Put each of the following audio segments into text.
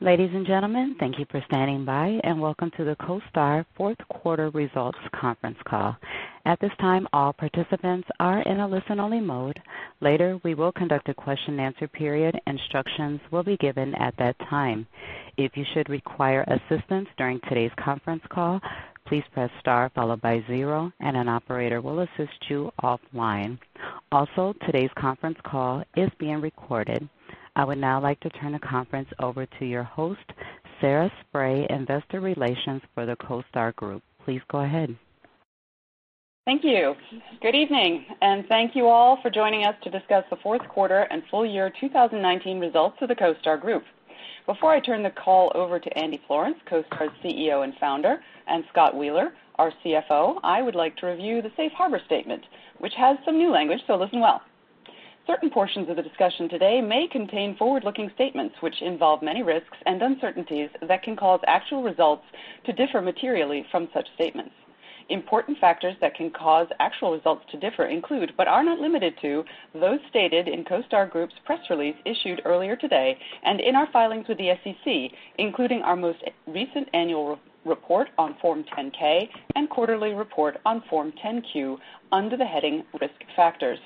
Ladies and gentlemen, thank you for standing by, and welcome to the CoStar Fourth Quarter Results Conference Call. At this time, all participants are in a listen-only mode. Later, we will conduct a question-and-answer period. Instructions will be given at that time. If you should require assistance during today's conference call, please press star followed by zero, and an operator will assist you offline. Also, today's conference call is being recorded. I would now like to turn the conference over to your host, Sarah Spray, investor relations for the CoStar Group. Please go ahead. Thank you. Good evening, and thank you all for joining us to discuss the fourth quarter and full year 2019 results of the CoStar Group. Before I turn the call over to Andy Florance, CoStar's CEO and founder, and Scott Wheeler, our CFO, I would like to review the safe harbor statement, which has some new language, so listen well. Certain portions of the discussion today may contain forward-looking statements which involve many risks and uncertainties that can cause actual results to differ materially from such statements. Important factors that can cause actual results to differ include, but are not limited to, those stated in CoStar Group's press release issued earlier today and in our filings with the SEC, including our most recent annual report on Form 10-K and quarterly report on Form 10-Q under the heading Risk Factors.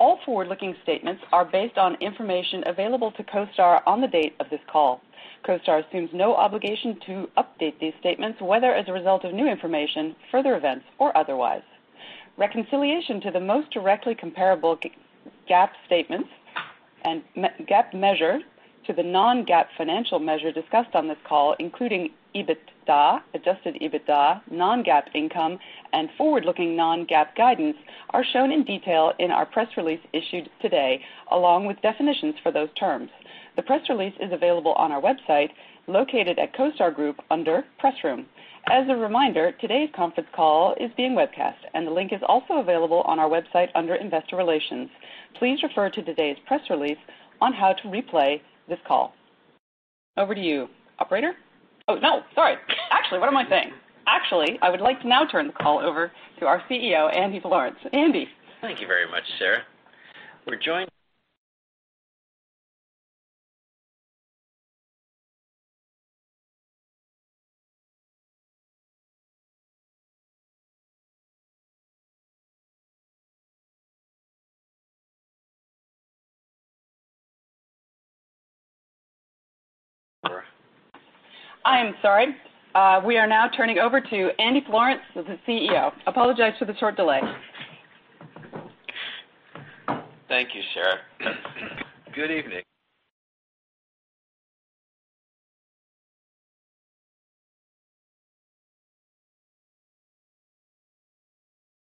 All forward-looking statements are based on information available to CoStar on the date of this call. CoStar assumes no obligation to update these statements, whether as a result of new information, further events or otherwise. Reconciliation to the most directly comparable GAAP statements and GAAP measure to the non-GAAP financial measure discussed on this call, including EBITDA, adjusted EBITDA, non-GAAP income and forward-looking non-GAAP guidance are shown in detail in our press release issued today, along with definitions for those terms. The press release is available on our website located at CoStar Group under Press Room. As a reminder, today's conference call is being webcast, and the link is also available on our website under Investor Relations. Please refer to today's press release on how to replay this call. Over to you, operator. Oh, no, sorry. Actually, what am I saying? Actually, I would like to now turn the call over to our CEO, Andy Florance. Andy. Thank you very much, Sarah. I am sorry. We are now turning over to Andy Florance, the CEO. Apologize for the short delay. Thank you, Sarah. Good evening.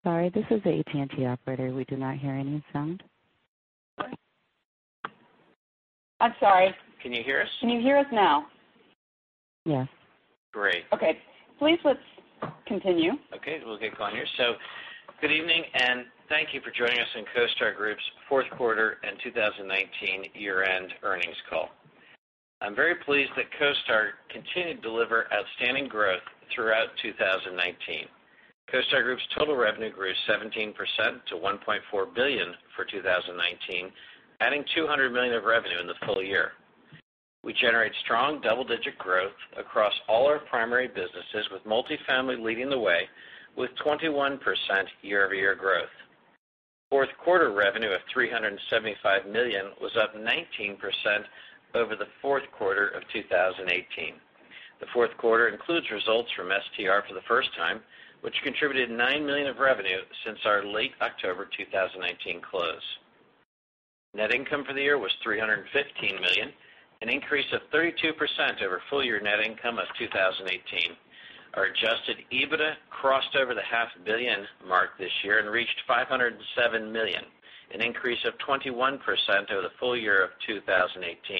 Sorry, this is the AT&T operator. We do not hear any sound. I'm sorry. Can you hear us? Can you hear us now? Yes. Great. Okay. Please let's continue. Okay, we'll get going here. Good evening, and thank you for joining us in CoStar Group's fourth quarter and 2019 year-end earnings call. I'm very pleased that CoStar continued to deliver outstanding growth throughout 2019. CoStar Group's total revenue grew 17% to $1.4 billion for 2019, adding $200 million of revenue in the full year. We generate strong double-digit growth across all our primary businesses, with multifamily leading the way with 21% year-over-year growth. Fourth quarter revenue of $375 million was up 19% over the fourth quarter of 2018. The fourth quarter includes results from STR for the first time, which contributed $9 million of revenue since our late October 2019 close. Net income for the year was $315 million, an increase of 32% over full year net income of 2018. Our adjusted EBITDA crossed over the $0.5 billion mark this year and reached $507 million, an increase of 21% over the full year of 2018.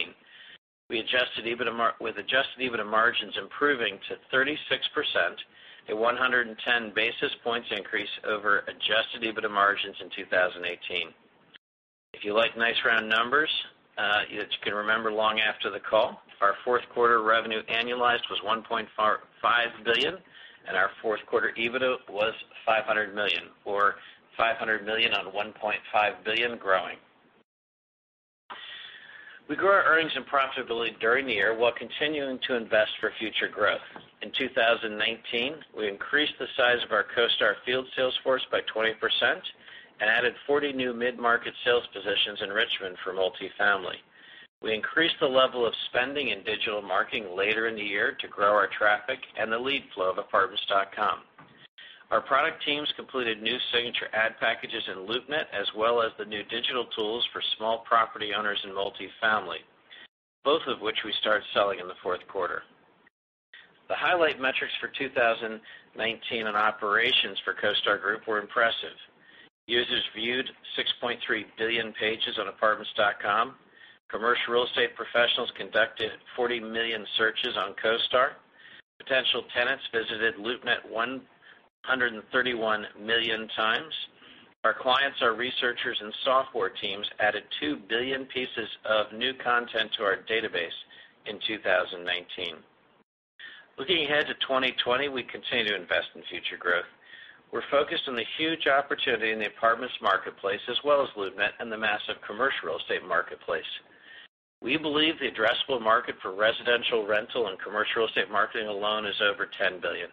With adjusted EBITDA margins improving to 36%, a 110 basis points increase over adjusted EBITDA margins in 2018. If you like nice round numbers that you can remember long after the call, our fourth quarter revenue annualized was $1.5 billion, and our fourth quarter EBITDA was $500 million, or $500 million on $1.5 billion growing. We grew our earnings and profitability during the year while continuing to invest for future growth. In 2019, we increased the size of our CoStar field sales force by 20% and added 40 new mid-market sales positions in Richmond for multifamily. We increased the level of spending in digital marketing later in the year to grow our traffic and the lead flow of Apartments.com. Our product teams completed new signature ad packages in LoopNet, as well as the new digital tools for small property owners in multifamily, both of which we started selling in the fourth quarter. The highlight metrics for 2019 on operations for CoStar Group were impressive. Users viewed 6.3 billion pages on Apartments.com. Commercial real estate professionals conducted 40 million searches on CoStar. Potential tenants visited LoopNet 131 million times. Our clients, our researchers and software teams added 2 billion pieces of new content to our database in 2019. Looking ahead to 2020, we continue to invest in future growth. We're focused on the huge opportunity in the apartments marketplace as well as LoopNet and the massive commercial real estate marketplace. We believe the addressable market for residential, rental, and commercial real estate marketing alone is over $10 billion,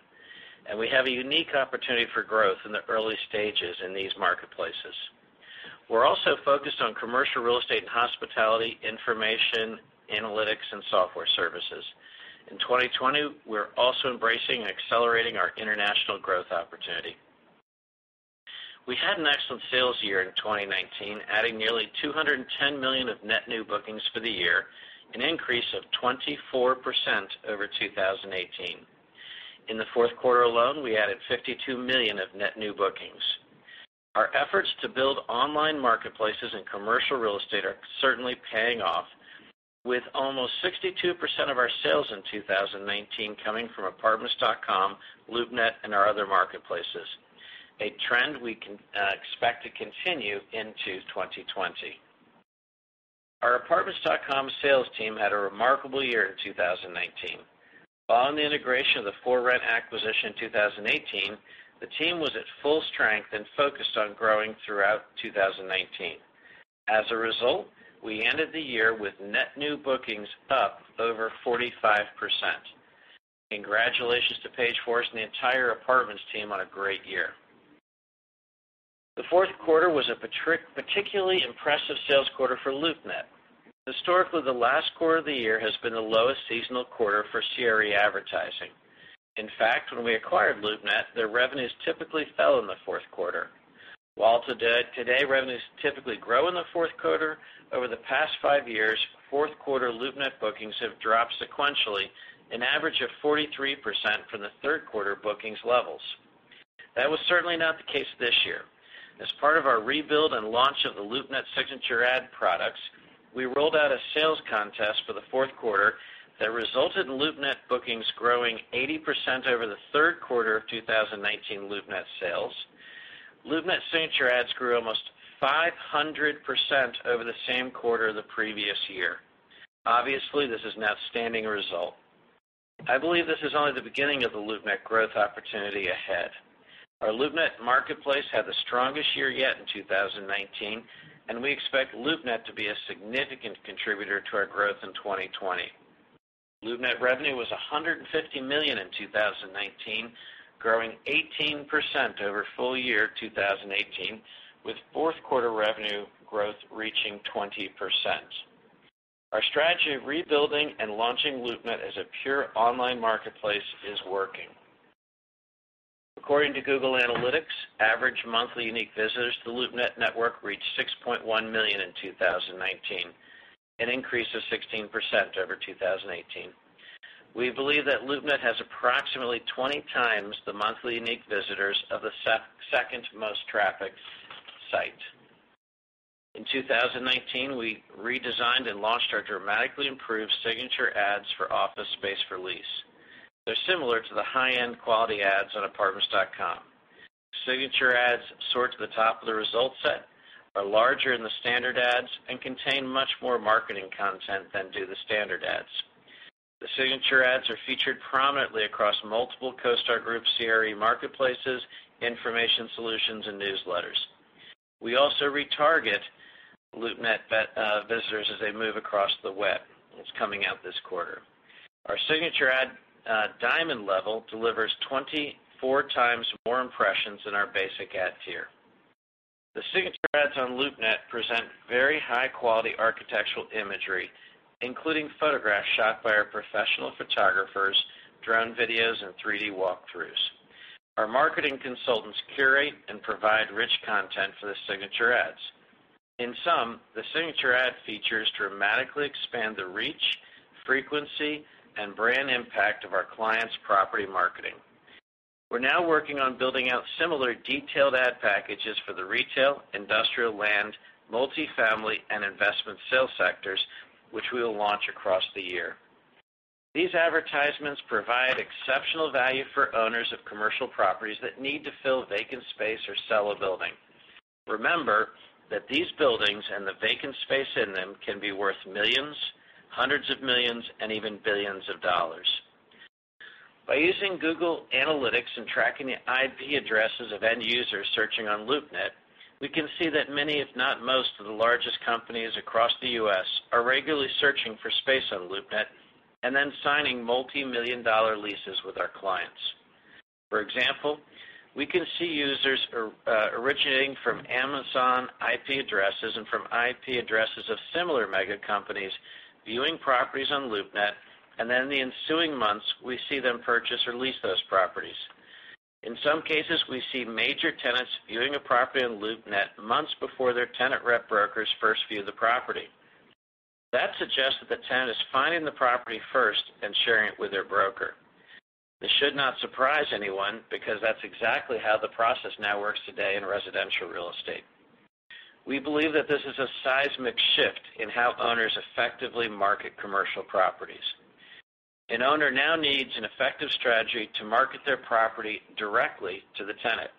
and we have a unique opportunity for growth in the early stages in these marketplaces. We're also focused on commercial real estate and hospitality information, analytics, and software services. In 2020, we're also embracing and accelerating our international growth opportunity. We had an excellent sales year in 2019, adding nearly $210 million of net new bookings for the year, an increase of 24% over 2018. In the fourth quarter alone, we added $52 million of net new bookings. Our efforts to build online marketplaces and commercial real estate are certainly paying off with almost 62% of our sales in 2019 coming from Apartments.com, LoopNet, and our other marketplaces, a trend we can expect to continue into 2020. Our Apartments.com sales team had a remarkable year in 2019. Following the integration of the ForRent acquisition in 2018, the team was at full strength and focused on growing throughout 2019. As a result, we ended the year with net new bookings up over 45%. Congratulations to Paige Forrest and the entire Apartments team on a great year. The fourth quarter was a particularly impressive sales quarter for LoopNet. Historically, the last quarter of the year has been the lowest seasonal quarter for CRE advertising. In fact, when we acquired LoopNet, their revenues typically fell in the fourth quarter. While today, revenues typically grow in the fourth quarter, over the past five years, fourth quarter LoopNet bookings have dropped sequentially an average of 43% from the third quarter bookings levels. That was certainly not the case this year. As part of our rebuild and launch of the LoopNet signature ad products, we rolled out a sales contest for the fourth quarter that resulted in LoopNet bookings growing 80% over the third quarter of 2019 LoopNet sales. LoopNet signature ads grew almost 500% over the same quarter of the previous year. Obviously, this is an outstanding result. I believe this is only the beginning of the LoopNet growth opportunity ahead. Our LoopNet marketplace had the strongest year yet in 2019. We expect LoopNet to be a significant contributor to our growth in 2020. LoopNet revenue was $150 million in 2019, growing 18% over full year 2018, with fourth quarter revenue growth reaching 20%. Our strategy of rebuilding and launching LoopNet as a pure online marketplace is working. According to Google Analytics, average monthly unique visitors to the LoopNet network reached 6.1 million in 2019, an increase of 16% over 2018. We believe that LoopNet has approximately 20 times the monthly unique visitors of the second most trafficked site. In 2019, we redesigned and launched our dramatically improved signature ads for office space for lease. They're similar to the high-end quality ads on Apartments.com. Signature ads sort to the top of the result set, are larger than the standard ads, and contain much more marketing content than do the standard ads. The signature ads are featured prominently across multiple CoStar Group CRE marketplaces, information solutions, and newsletters. We also retarget LoopNet visitors as they move across the web. It's coming out this quarter. Our signature ad diamond level delivers 24 times more impressions than our basic ad tier. The signature ads on LoopNet present very high-quality architectural imagery, including photographs shot by our professional photographers, drone videos, and 3D walkthroughs. Our marketing consultants curate and provide rich content for the signature ads. In sum, the signature ad features dramatically expand the reach, frequency, and brand impact of our clients' property marketing. We're now working on building out similar detailed ad packages for the retail, industrial, land, multifamily, and investment sales sectors, which we will launch across the year. These advertisements provide exceptional value for owners of commercial properties that need to fill vacant space or sell a building. Remember that these buildings and the vacant space in them can be worth millions, hundreds of millions, and even billions of dollars. By using Google Analytics and tracking the IP addresses of end users searching on LoopNet, we can see that many, if not most, of the largest companies across the U.S. are regularly searching for space on LoopNet and then signing multi-million dollar leases with our clients. For example, we can see users originating from Amazon IP addresses and from IP addresses of similar mega companies viewing properties on LoopNet, and then in the ensuing months, we see them purchase or lease those properties. In some cases, we see major tenants viewing a property on LoopNet months before their tenant rep brokers first view the property. That suggests that the tenant is finding the property first and sharing it with their broker. This should not surprise anyone because that's exactly how the process now works today in residential real estate. We believe that this is a seismic shift in how owners effectively market commercial properties. An owner now needs an effective strategy to market their property directly to the tenant.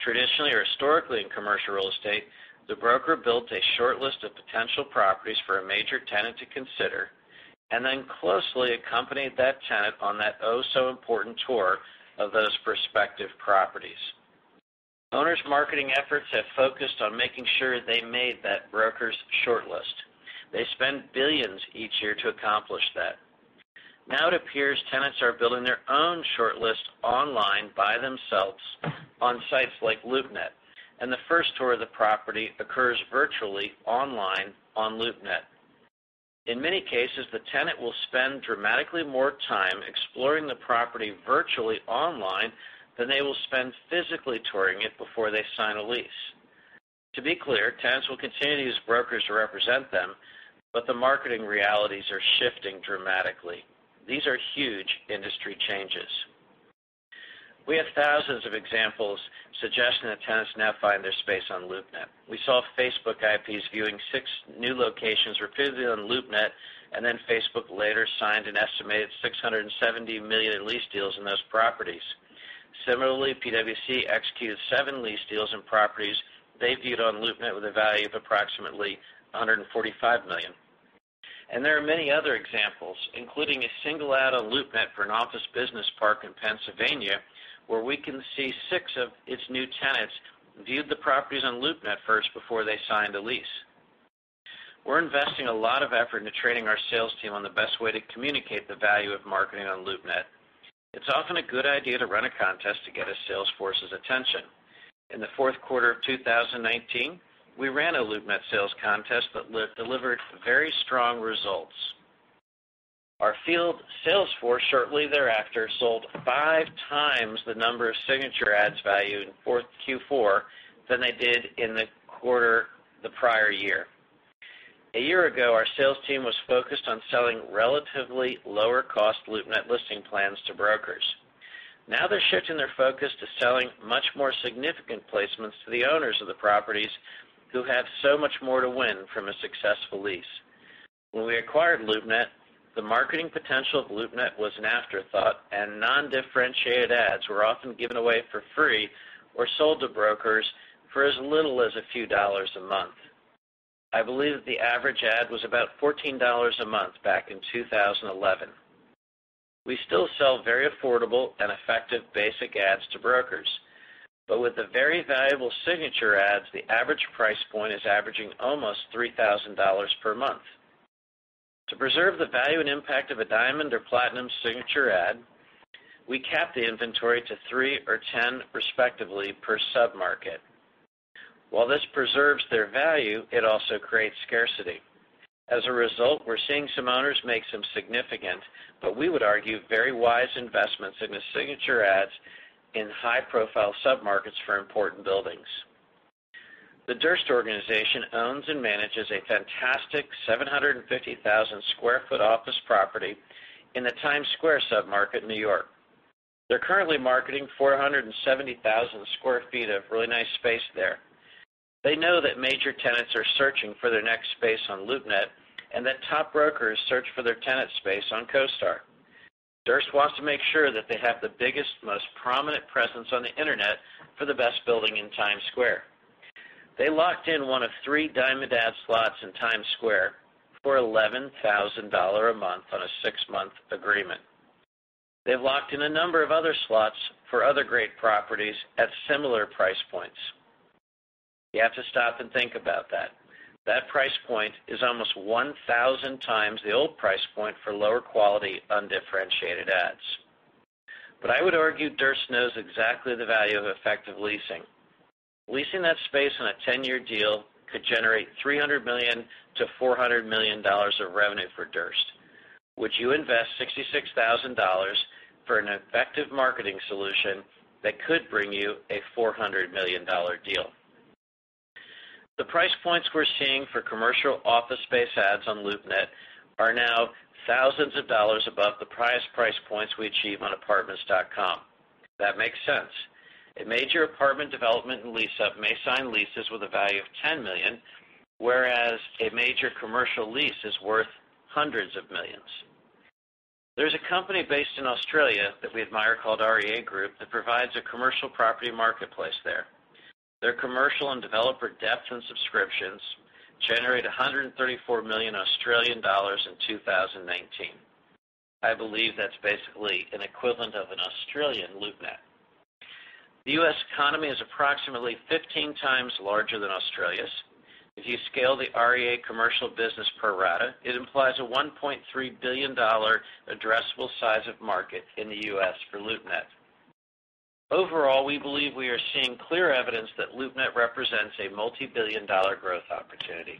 Traditionally or historically in commercial real estate, the broker built a short list of potential properties for a major tenant to consider, and then closely accompanied that tenant on that oh-so-important tour of those prospective properties. Owners' marketing efforts have focused on making sure they made that broker's short list. They spend billions each year to accomplish that. Now it appears tenants are building their own short list online by themselves on sites like LoopNet, and the first tour of the property occurs virtually online on LoopNet. In many cases, the tenant will spend dramatically more time exploring the property virtually online than they will spend physically touring it before they sign a lease. To be clear, tenants will continue to use brokers to represent them, but the marketing realities are shifting dramatically. These are huge industry changes. We have thousands of examples suggesting that tenants now find their space on LoopNet. We saw Facebook IPs viewing six new locations repeatedly on LoopNet, then Facebook later signed an estimated $670 million lease deals in those properties. Similarly, PwC executed seven lease deals in properties they viewed on LoopNet with a value of approximately $145 million. There are many other examples, including a single ad on LoopNet for an office business park in Pennsylvania, where we can see six of its new tenants viewed the properties on LoopNet first before they signed a lease. We're investing a lot of effort into training our sales team on the best way to communicate the value of marketing on LoopNet. It's often a good idea to run a contest to get a sales force's attention. In the fourth quarter of 2019, we ran a LoopNet sales contest that delivered very strong results. Our field sales force shortly thereafter sold five times the number of signature ads valued in Q4 than they did in the quarter the prior year. A year ago, our sales team was focused on selling relatively lower-cost LoopNet listing plans to brokers. They're shifting their focus to selling much more significant placements to the owners of the properties who have so much more to win from a successful lease. We acquired LoopNet, the marketing potential of LoopNet was an afterthought, and non-differentiated ads were often given away for free or sold to brokers for as little as a few dollars a month. I believe that the average ad was about $14 a month back in 2011. We still sell very affordable and effective basic ads to brokers. With the very valuable signature ads, the average price point is averaging almost $3,000 per month. To preserve the value and impact of a diamond or platinum signature ad, we cap the inventory to three or 10 respectively per sub-market. While this preserves their value, it also creates scarcity. As a result, we're seeing some owners make some significant, but we would argue very wise investments in the signature ads in high-profile sub-markets for important buildings. The Durst Organization owns and manages a fantastic 750,000 sq ft office property in the Times Square sub-market in New York. They're currently marketing 470,000 sq ft of really nice space there. They know that major tenants are searching for their next space on LoopNet and that top brokers search for their tenant space on CoStar. Durst wants to make sure that they have the biggest, most prominent presence on the internet for the best building in Times Square. They locked in one of three diamond ad slots in Times Square for $11,000 a month on a six-month agreement. They've locked in a number of other slots for other great properties at similar price points. You have to stop and think about that. That price point is almost 1,000 times the old price point for lower quality, undifferentiated ads. I would argue Durst knows exactly the value of effective leasing. Leasing that space on a 10-year deal could generate $300 million-$400 million of revenue for Durst. Would you invest $66,000 for an effective marketing solution that could bring you a $400 million deal? The price points we're seeing for commercial office space ads on LoopNet are now thousands of dollars above the highest price points we achieve on Apartments.com. That makes sense. A major apartment development and lease-up may sign leases with a value of $10 million, whereas a major commercial lease is worth hundreds of millions. There's a company based in Australia that we admire called REA Group that provides a commercial property marketplace there. Their commercial and developer depths and subscriptions generate 134 million Australian dollars in 2019. I believe that's basically an equivalent of an Australian LoopNet. The U.S. economy is approximately 15 times larger than Australia's. If you scale the REA commercial business pro rata, it implies a $1.3 billion addressable size of market in the U.S. for LoopNet. Overall, we believe we are seeing clear evidence that LoopNet represents a multi-billion dollar growth opportunity.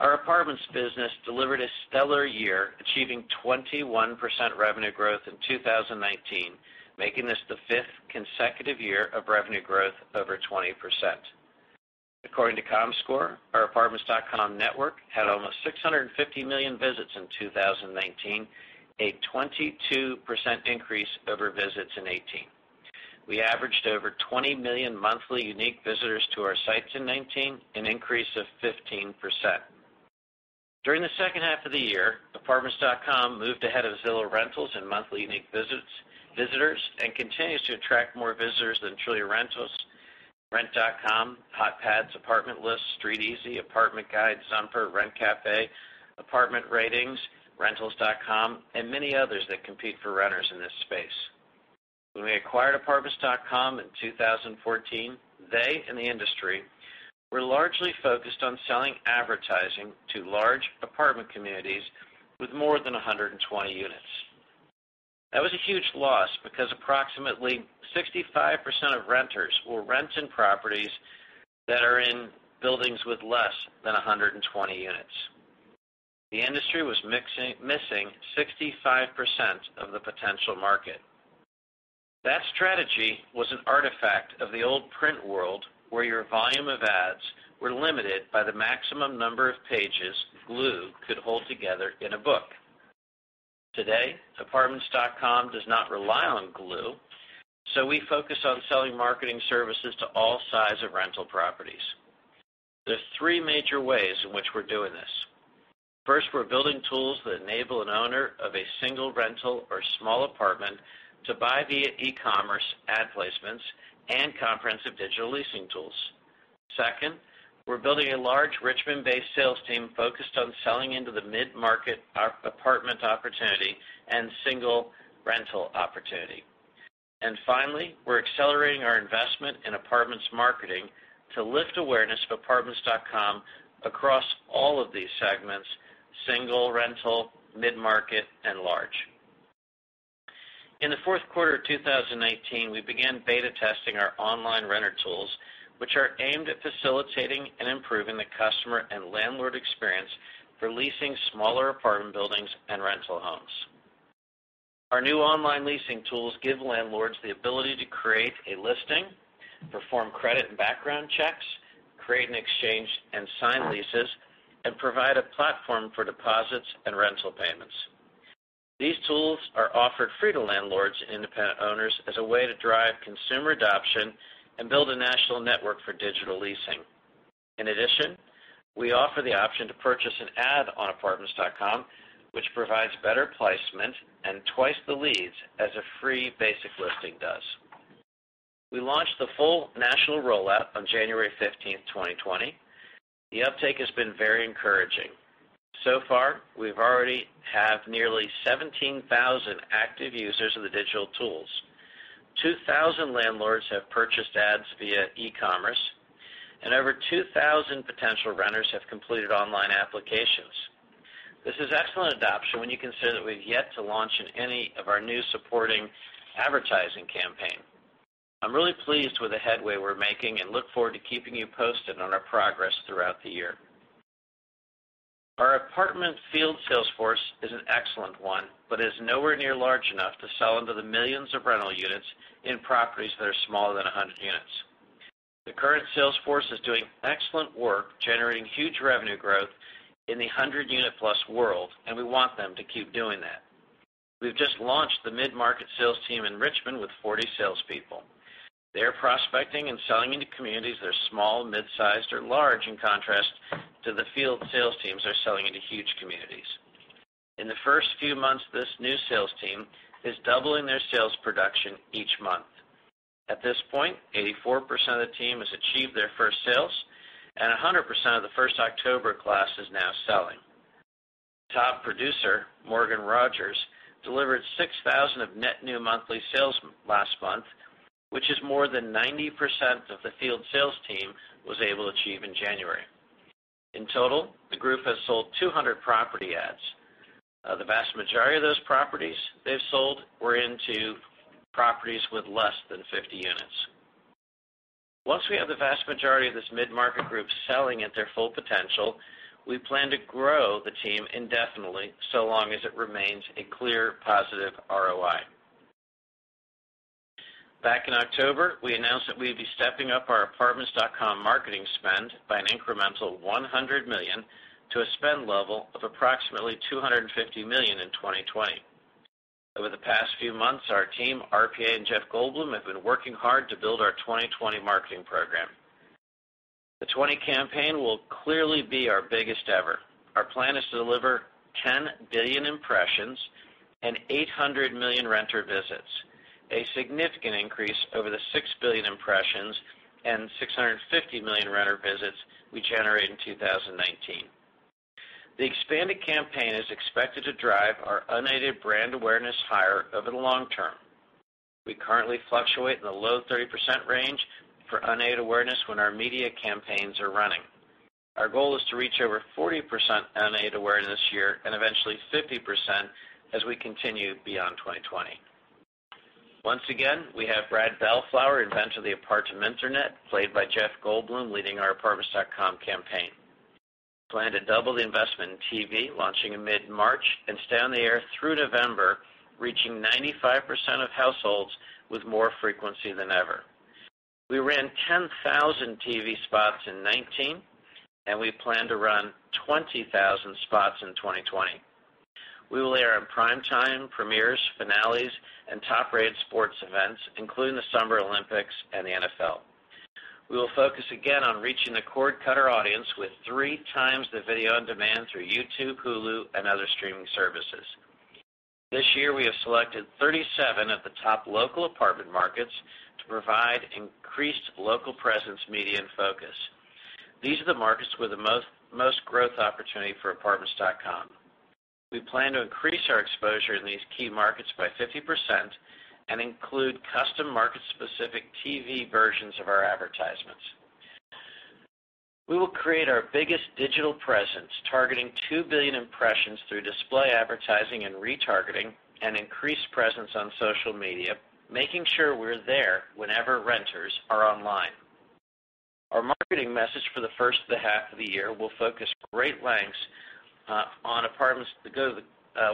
Our apartments business delivered a stellar year, achieving 21% revenue growth in 2019, making this the fifth consecutive year of revenue growth over 20%. According to Comscore, our Apartments.com network had almost 650 million visits in 2019, a 22% increase over visits in 2018. We averaged over 20 million monthly unique visitors to our sites in 2019, an increase of 15%. During the second half of the year, Apartments.com moved ahead of Zillow Rentals in monthly unique visitors and continues to attract more visitors than Trulia Rentals, Rent.com, HotPads, Apartment List, StreetEasy, Apartment Guide, Zumper, RentCafe, ApartmentRatings.com, Rentals.com, and many others that compete for renters in this space. When we acquired Apartments.com in 2014, they in the industry were largely focused on selling advertising to large apartment communities with more than 120 units. That was a huge loss because approximately 65% of renters will rent in properties that are in buildings with less than 120 units. The industry was missing 65% of the potential market. That strategy was an artifact of the old print world where your volume of ads were limited by the maximum number of pages glue could hold together in a book. Today, Apartments.com does not rely on glue, so we focus on selling marketing services to all size of rental properties. There's three major ways in which we're doing this. First, we're building tools that enable an owner of a 1 rental or small apartment to buy via e-commerce ad placements and comprehensive digital leasing tools. Second, we're building a large Richmond-based sales team focused on selling into the mid-market apartment opportunity and one rental opportunity. Finally, we're accelerating our investment in apartments marketing to lift awareness of Apartments.com across all of these segments: one rental, mid-market, and large. In the fourth quarter of 2018, we began beta testing our online renter tools, which are aimed at facilitating and improving the customer and landlord experience for leasing smaller apartment buildings and rental homes. Our new online leasing tools give landlords the ability to create a listing, perform credit and background checks, create and exchange and sign leases, and provide a platform for deposits and rental payments. These tools are offered free to landlords and independent owners as a way to drive consumer adoption and build a national network for digital leasing. In addition, we offer the option to purchase an ad on Apartments.com, which provides better placement and twice the leads as a free basic listing does. We launched the full national rollout on January 15, 2020. The uptake has been very encouraging. Far, we've already have nearly 17,000 active users of the digital tools. 2,000 landlords have purchased ads via e-commerce, and over 2,000 potential renters have completed online applications. This is excellent adoption when you consider that we've yet to launch in any of our new supporting advertising campaign. I'm really pleased with the headway we're making and look forward to keeping you posted on our progress throughout the year. Our apartment field sales force is an excellent one, but is nowhere near large enough to sell into the millions of rental units in properties that are smaller than 100 units. The current sales force is doing excellent work generating huge revenue growth in the 100 unit+ world, and we want them to keep doing that. We've just launched the mid-market sales team in Richmond with 40 salespeople. They're prospecting and selling into communities that are small, mid-sized, or large, in contrast to the field sales teams are selling into huge communities. In the first few months, this new sales team is doubling their sales production each month. At this point, 84% of the team has achieved their first sales, and 100% of the first October class is now selling. Top producer, Morgan Rogers, delivered $6,000 of net new monthly sales last month, which is more than 90% of the field sales team was able to achieve in January. In total, the group has sold 200 property ads. The vast majority of those properties they've sold were into properties with less than 50 units. Once we have the vast majority of this mid-market group selling at their full potential, we plan to grow the team indefinitely so long as it remains a clear positive ROI. Back in October, we announced that we'd be stepping up our Apartments.com marketing spend by an incremental $100 million to a spend level of approximately $250 million in 2020. Over the past few months, our team, RPA, and Jeff Goldblum have been working hard to build our 2020 marketing program. The 2020 campaign will clearly be our biggest ever. Our plan is to deliver 10 billion impressions and 800 million renter visits, a significant increase over the 6 billion impressions and 650 million renter visits we generated in 2019. The expanded campaign is expected to drive our unaided brand awareness higher over the long term. We currently fluctuate in the low 30% range for unaided awareness when our media campaigns are running. Our goal is to reach over 40% unaided awareness this year and eventually 50% as we continue beyond 2020. Once again, we have Brad Bellflower, inventor of the Apartminternet, played by Jeff Goldblum, leading our Apartments.com campaign. Plan to double the investment in TV, launching in mid-March and stay on the air through November, reaching 95% of households with more frequency than ever. We ran 10,000 TV spots in 2019, and we plan to run 20,000 spots in 2020. We will air in prime time, premieres, finales, and top-rated sports events, including the Summer Olympics and the NFL. We will focus again on reaching the cord cutter audience with three times the video on demand through YouTube, Hulu, and other streaming services. This year, we have selected 37 of the top local apartment markets to provide increased local presence media and focus. These are the markets with the most growth opportunity for Apartments.com. We plan to increase our exposure in these key markets by 50% and include custom market-specific TV versions of our advertisements. We will create our biggest digital presence, targeting 2 billion impressions through display advertising and retargeting, and increased presence on social media, making sure we're there whenever renters are online. Our marketing message for the first of the half of the year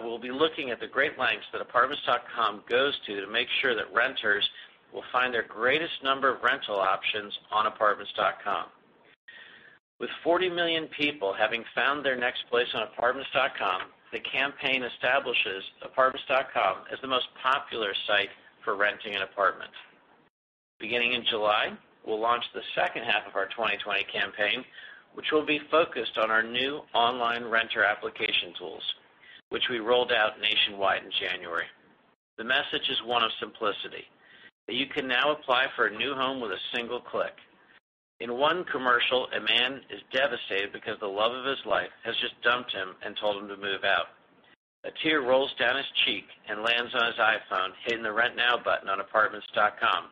we'll be looking at the great lengths that Apartments.com goes to make sure that renters will find their greatest number of rental options on Apartments.com. With 40 million people having found their next place on Apartments.com, the campaign establishes Apartments.com as the most popular site for renting an apartment. Beginning in July, we'll launch the second half of our 2020 campaign, which will be focused on our new online renter application tools, which we rolled out nationwide in January. The message is one of simplicity, that you can now apply for a new home with a single click. In one commercial, a man is devastated because the love of his life has just dumped him and told him to move out. A tear rolls down his cheek and lands on his iPhone, hitting the Rent Now button on Apartments.com.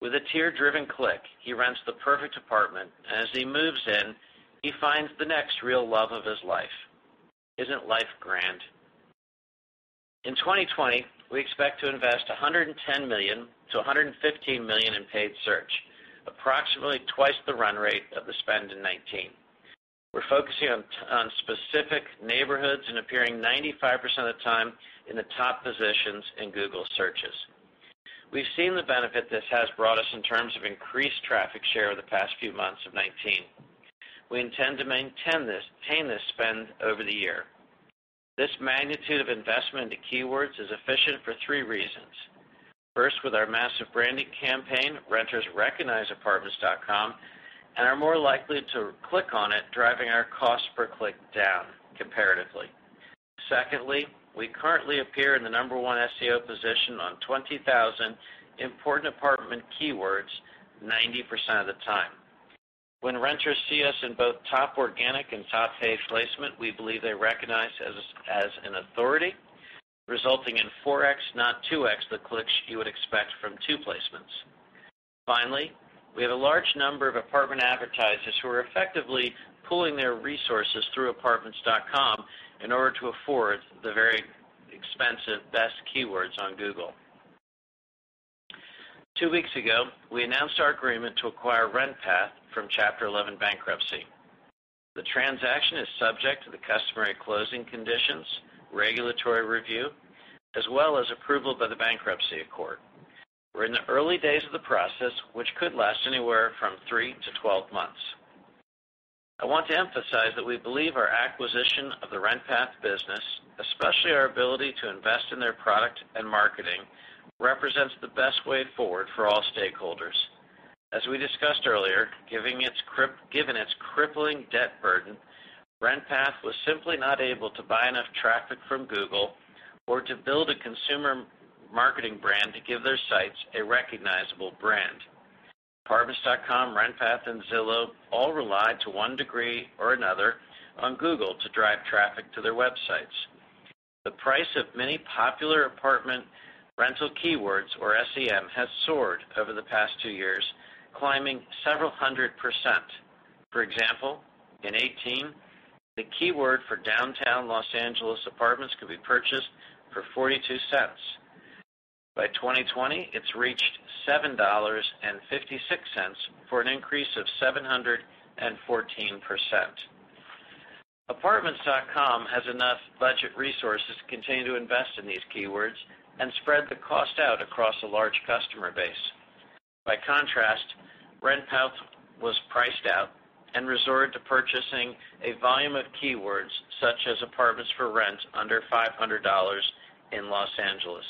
With a tear-driven click, he rents the perfect apartment, and as he moves in, he finds the next real love of his life. Isn't life grand? In 2020, we expect to invest $110 million-$115 million in paid search. Approximately twice the run rate of the spend in 2019. We're focusing on specific neighborhoods and appearing 95% of the time in the top positions in Google searches. We've seen the benefit this has brought us in terms of increased traffic share the past few months of 2019. We intend to maintain this spend over the year. This magnitude of investment into keywords is efficient for three reasons. First, with our massive branding campaign, renters recognize Apartments.com and are more likely to click on it, driving our cost per click down comparatively. Secondly, we currently appear in the number one SEO position on 20,000 important apartment keywords 90% of the time. When renters see us in both top organic and top paid placement, we believe they recognize as an authority, resulting in 4x, not 2x, the clicks you would expect from two placements. We have a large number of apartment advertisers who are effectively pooling their resources through Apartments.com in order to afford the very expensive best keywords on Google. Two weeks ago, we announced our agreement to acquire RentPath from Chapter 11 bankruptcy. The transaction is subject to the customary closing conditions, regulatory review, as well as approval by the bankruptcy court. We're in the early days of the process, which could last anywhere from three to 12 months. I want to emphasize that we believe our acquisition of the RentPath business, especially our ability to invest in their product and marketing, represents the best way forward for all stakeholders. As we discussed earlier, given its crippling debt burden, RentPath was simply not able to buy enough traffic from Google or to build a consumer marketing brand to give their sites a recognizable brand. Apartments.com, RentPath, and Zillow all rely to one degree or another on Google to drive traffic to their websites. The price of many popular apartment rental keywords or SEM has soared over the past two years, climbing several hundred %. For example, in 2018, the keyword for downtown Los Angeles apartments could be purchased for $0.42. By 2020, it's reached $7.56, for an increase of 714%. Apartments.com has enough budget resources to continue to invest in these keywords and spread the cost out across a large customer base. By contrast, RentPath was priced out and resorted to purchasing a volume of keywords such as apartments for rent under $500 in Los Angeles.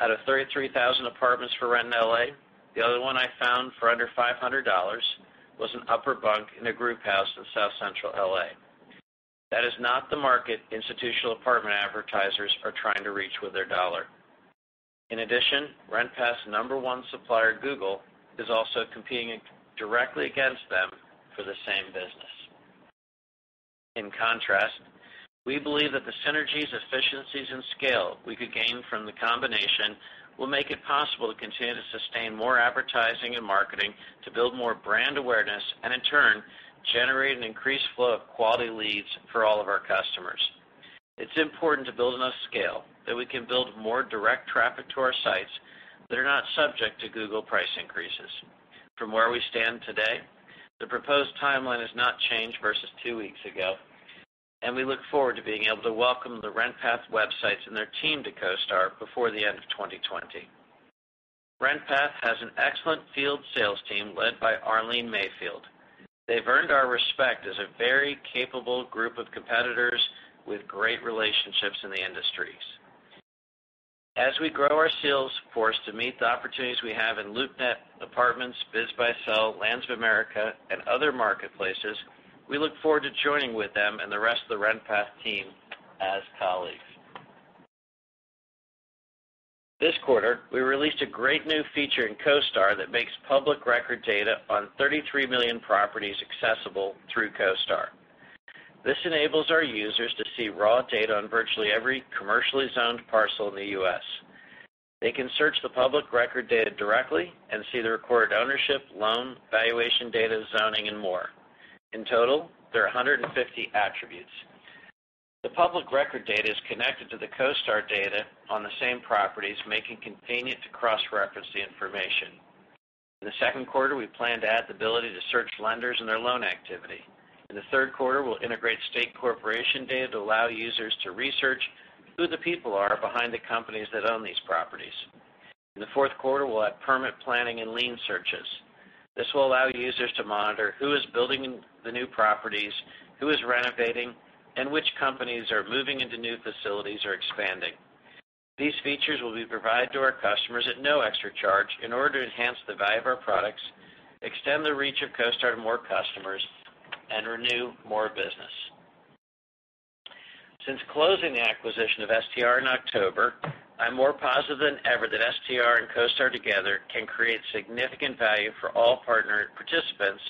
Out of 33,000 apartments for rent in L.A., the other one I found for under $500 was an upper bunk in a group house in South Central L.A. That is not the market institutional apartment advertisers are trying to reach with their dollar. In addition, RentPath's number one supplier, Google, is also competing directly against them for the same business. In contrast, we believe that the synergies, efficiencies, and scale we could gain from the combination will make it possible to continue to sustain more advertising and marketing to build more brand awareness and, in turn, generate an increased flow of quality leads for all of our customers. It's important to build enough scale that we can build more direct traffic to our sites that are not subject to Google price increases. From where we stand today, the proposed timeline has not changed versus two weeks ago. We look forward to being able to welcome the RentPath websites and their team to CoStar before the end of 2020. RentPath has an excellent field sales team led by Arlene Mayfield. They've earned our respect as a very capable group of competitors with great relationships in the industries. As we grow our sales force to meet the opportunities we have in LoopNet, Apartments.com, BizBuySell, Lands of America, and other marketplaces, we look forward to joining with them and the rest of the RentPath team as colleagues. This quarter, we released a great new feature in CoStar that makes public record data on 33 million properties accessible through CoStar. This enables our users to see raw data on virtually every commercially zoned parcel in the U.S. They can search the public record data directly and see the recorded ownership, loan, valuation data, zoning, and more. In total, there are 150 attributes. The public record data is connected to the CoStar data on the same properties, making convenient to cross-reference the information. In the second quarter, we plan to add the ability to search lenders and their loan activity. In the third quarter, we'll integrate state corporation data to allow users to research who the people are behind the companies that own these properties. In the fourth quarter, we'll add permit planning and lien searches. This will allow users to monitor who is building the new properties, who is renovating, and which companies are moving into new facilities or expanding. These features will be provided to our customers at no extra charge in order to enhance the value of our products, extend the reach of CoStar to more customers, and renew more business. Since closing the acquisition of STR in October, I am more positive than ever that STR and CoStar together can create significant value for all partner participants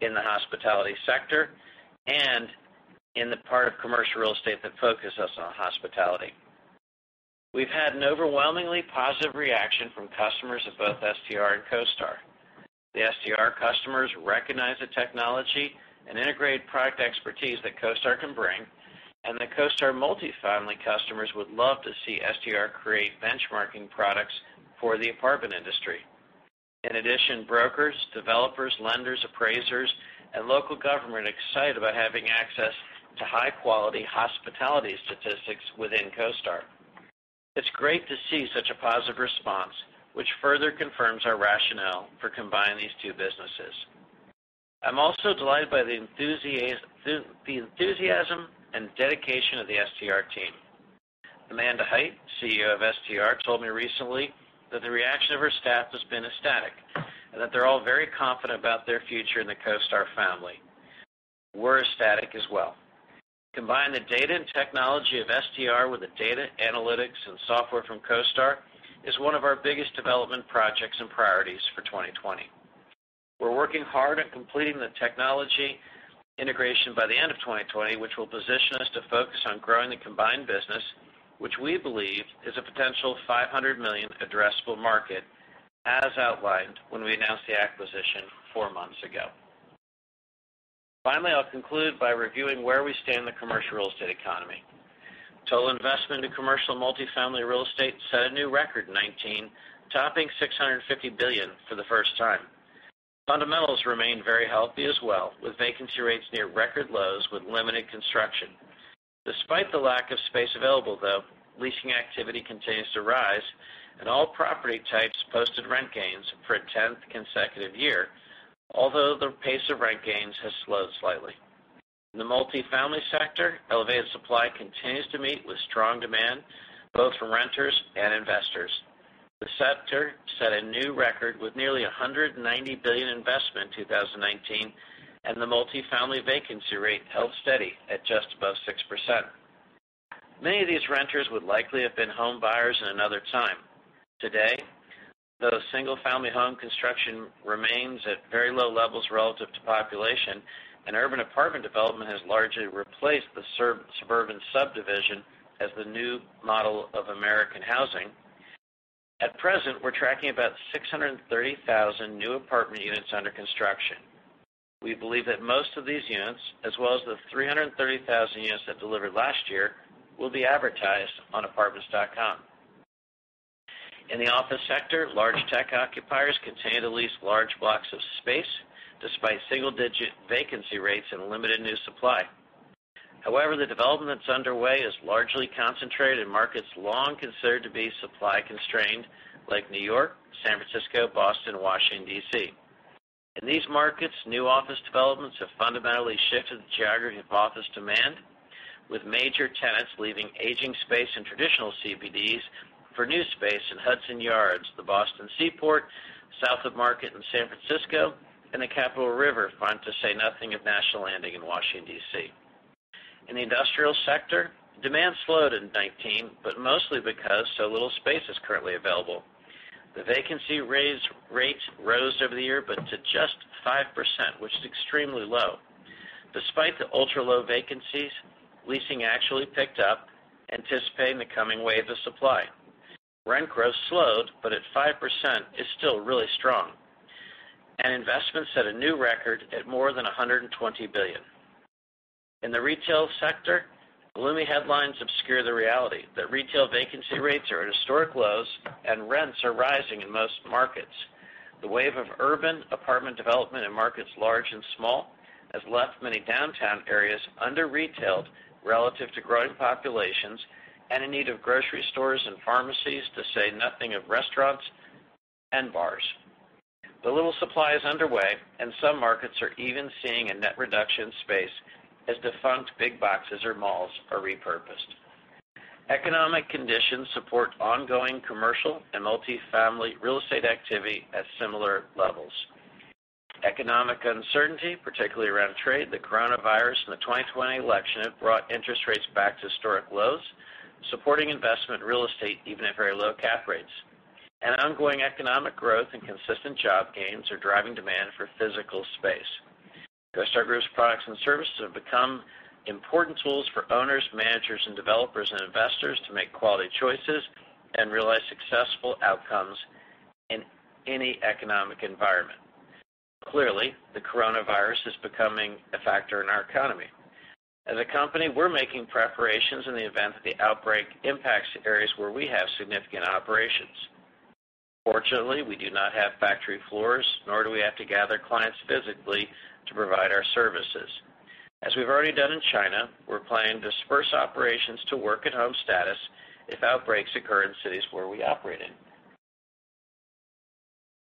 in the hospitality sector and in the part of commercial real estate that focuses on hospitality. We have had an overwhelmingly positive reaction from customers of both STR and CoStar. The STR customers recognize the technology and integrated product expertise that CoStar can bring, and the CoStar multifamily customers would love to see STR create benchmarking products for the apartment industry. In addition, brokers, developers, lenders, appraisers, and local government are excited about having access to high-quality hospitality statistics within CoStar. It's great to see such a positive response, which further confirms our rationale for combining these two businesses. I'm also delighted by the enthusiasm and dedication of the STR team. Amanda Hite, CEO of STR, told me recently that the reaction of her staff has been ecstatic and that they're all very confident about their future in the CoStar family. We're ecstatic as well. Combine the data and technology of STR with the data analytics and software from CoStar is one of our biggest development projects and priorities for 2020. We're working hard at completing the technology integration by the end of 2020, which will position us to focus on growing the combined business, which we believe is a potential $500 million addressable market, as outlined when we announced the acquisition four months ago. I'll conclude by reviewing where we stand in the commercial real estate economy. Total investment in commercial multifamily real estate set a new record in 2019, topping $650 billion for the first time. Fundamentals remained very healthy as well, with vacancy rates near record lows with limited construction. Despite the lack of space available, though, leasing activity continues to rise, and all property types posted rent gains for a tenth consecutive year, although the pace of rent gains has slowed slightly. In the multifamily sector, elevated supply continues to meet with strong demand, both from renters and investors. The sector set a new record with nearly $190 billion investment in 2019, and the multifamily vacancy rate held steady at just above 6%. Many of these renters would likely have been homebuyers in another time. Today, though single-family home construction remains at very low levels relative to population, and urban apartment development has largely replaced the sub-suburban subdivision as the new model of American housing. At present, we're tracking about 630,000 new apartment units under construction. We believe that most of these units, as well as the 330,000 units that delivered last year, will be advertised on Apartments.com. In the office sector, large tech occupiers continue to lease large blocks of space despite single-digit vacancy rates and limited new supply. However, the development that's underway is largely concentrated in markets long considered to be supply-constrained, like New York, San Francisco, Boston, Washington, D.C. In these markets, new office developments have fundamentally shifted the geography of office demand, with major tenants leaving aging space in traditional CBDs for new space in Hudson Yards, the Boston Seaport, South of Market in San Francisco, and the Capitol Riverfront to say nothing of National Landing in Washington, D.C. In the industrial sector, demand slowed in 19, but mostly because so little space is currently available. The vacancy rate rose over the year, but to just 5%, which is extremely low. Despite the ultra-low vacancies, leasing actually picked up, anticipating the coming wave of supply. Rent growth slowed, but at 5% is still really strong. Investments set a new record at more than $120 billion. In the retail sector, gloomy headlines obscure the reality that retail vacancy rates are at historic lows and rents are rising in most markets. The wave of urban apartment development in markets large and small has left many downtown areas under-retailed relative to growing populations and in need of grocery stores and pharmacies to say nothing of restaurants and bars. The little supply is underway, and some markets are even seeing a net reduction in space as defunct big boxes or malls are repurposed. Economic conditions support ongoing commercial and multifamily real estate activity at similar levels. Economic uncertainty, particularly around trade, the coronavirus, and the 2020 election have brought interest rates back to historic lows, supporting investment real estate even at very low cap rates. Ongoing economic growth and consistent job gains are driving demand for physical space. CoStar Group's products and services have become important tools for owners, managers, and developers, and investors to make quality choices and realize successful outcomes in any economic environment. Clearly, the coronavirus is becoming a factor in our economy. As a company, we're making preparations in the event that the outbreak impacts areas where we have significant operations. Fortunately, we do not have factory floors, nor do we have to gather clients physically to provide our services. As we've already done in China, we're planning to disperse operations to work-at-home status if outbreaks occur in cities where we operate in.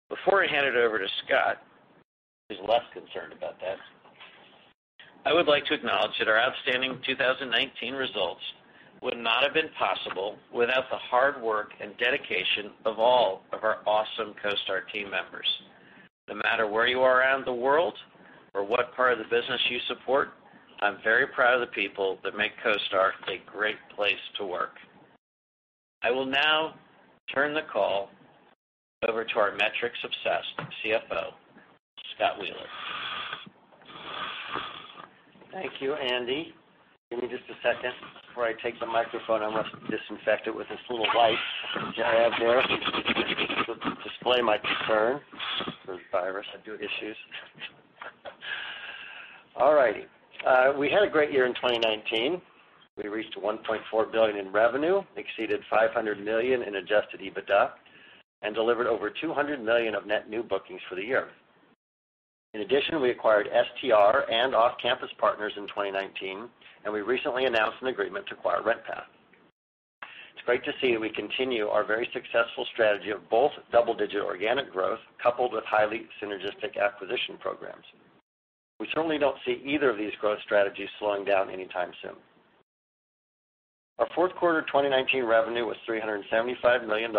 Before I hand it over to Scott, who's less concerned about that, I would like to acknowledge that our outstanding 2019 results would not have been possible without the hard work and dedication of all of our awesome CoStar team members. No matter where you are around the world or what part of the business you support, I'm very proud of the people that make CoStar a great place to work. I will now turn the call over to our metrics-obsessed CFO, Scott Wheeler. Thank you, Andy. Give me just a second. Before I take the microphone, I must disinfect it with this little wipe that I have here to display my concern for virus issues. All righty. We had a great year in 2019. We reached $1.4 billion in revenue, exceeded $500 million in adjusted EBITDA, and delivered over $200 million of net new bookings for the year. In addition, we acquired STR and Off Campus Partners in 2019, and we recently announced an agreement to acquire RentPath. It's great to see we continue our very successful strategy of both double-digit organic growth coupled with highly synergistic acquisition programs. We certainly don't see either of these growth strategies slowing down anytime soon. Our fourth quarter 2019 revenue was $375 million,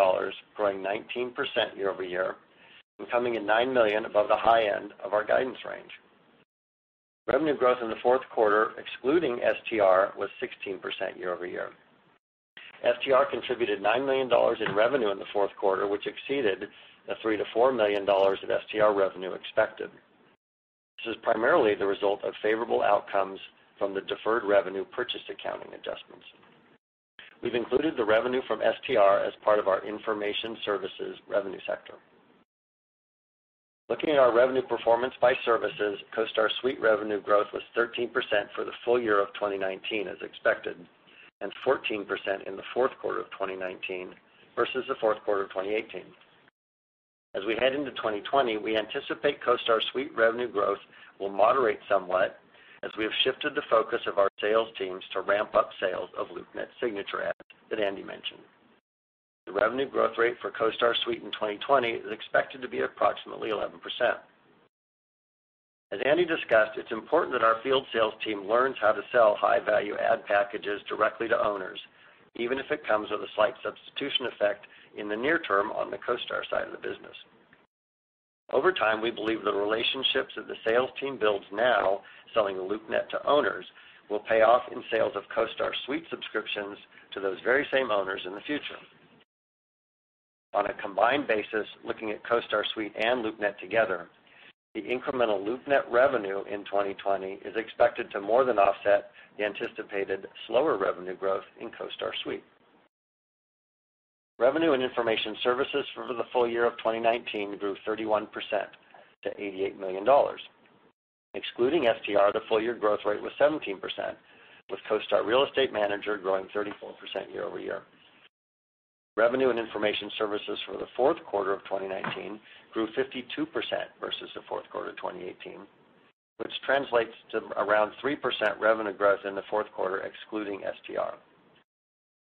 growing 19% year-over-year and coming in $9 million above the high end of our guidance range. Revenue growth in the fourth quarter, excluding STR, was 16% year-over-year. STR contributed $9 million in revenue in the fourth quarter, which exceeded the $3 million-$4 million of STR revenue expected. This is primarily the result of favorable outcomes from the deferred revenue purchase accounting adjustments. We've included the revenue from STR as part of our information services revenue sector. Looking at our revenue performance by services, CoStar Suite revenue growth was 13% for the full year of 2019, as expected, and 14% in the fourth quarter of 2019 versus the fourth quarter of 2018. As we head into 2020, we anticipate CoStar Suite revenue growth will moderate somewhat as we have shifted the focus of our sales teams to ramp up sales of LoopNet Signature ad that Andy mentioned. The revenue growth rate for CoStar Suite in 2020 is expected to be approximately 11%. As Andy discussed, it's important that our field sales team learns how to sell high-value ad packages directly to owners, even if it comes with a slight substitution effect in the near term on the CoStar side of the business. Over time, we believe the relationships that the sales team builds now selling LoopNet to owners will pay off in sales of CoStar Suite subscriptions to those very same owners in the future. On a combined basis, looking at CoStar Suite and LoopNet together, the incremental LoopNet revenue in 2020 is expected to more than offset the anticipated slower revenue growth in CoStar Suite. Revenue and information services for the full year of 2019 grew 31% to $88 million. Excluding STR, the full year growth rate was 17%, with CoStar Real Estate Manager growing 34% year-over-year. Revenue and information services for the fourth quarter of 2019 grew 52% versus the fourth quarter of 2018, which translates to around 3% revenue growth in the fourth quarter excluding STR.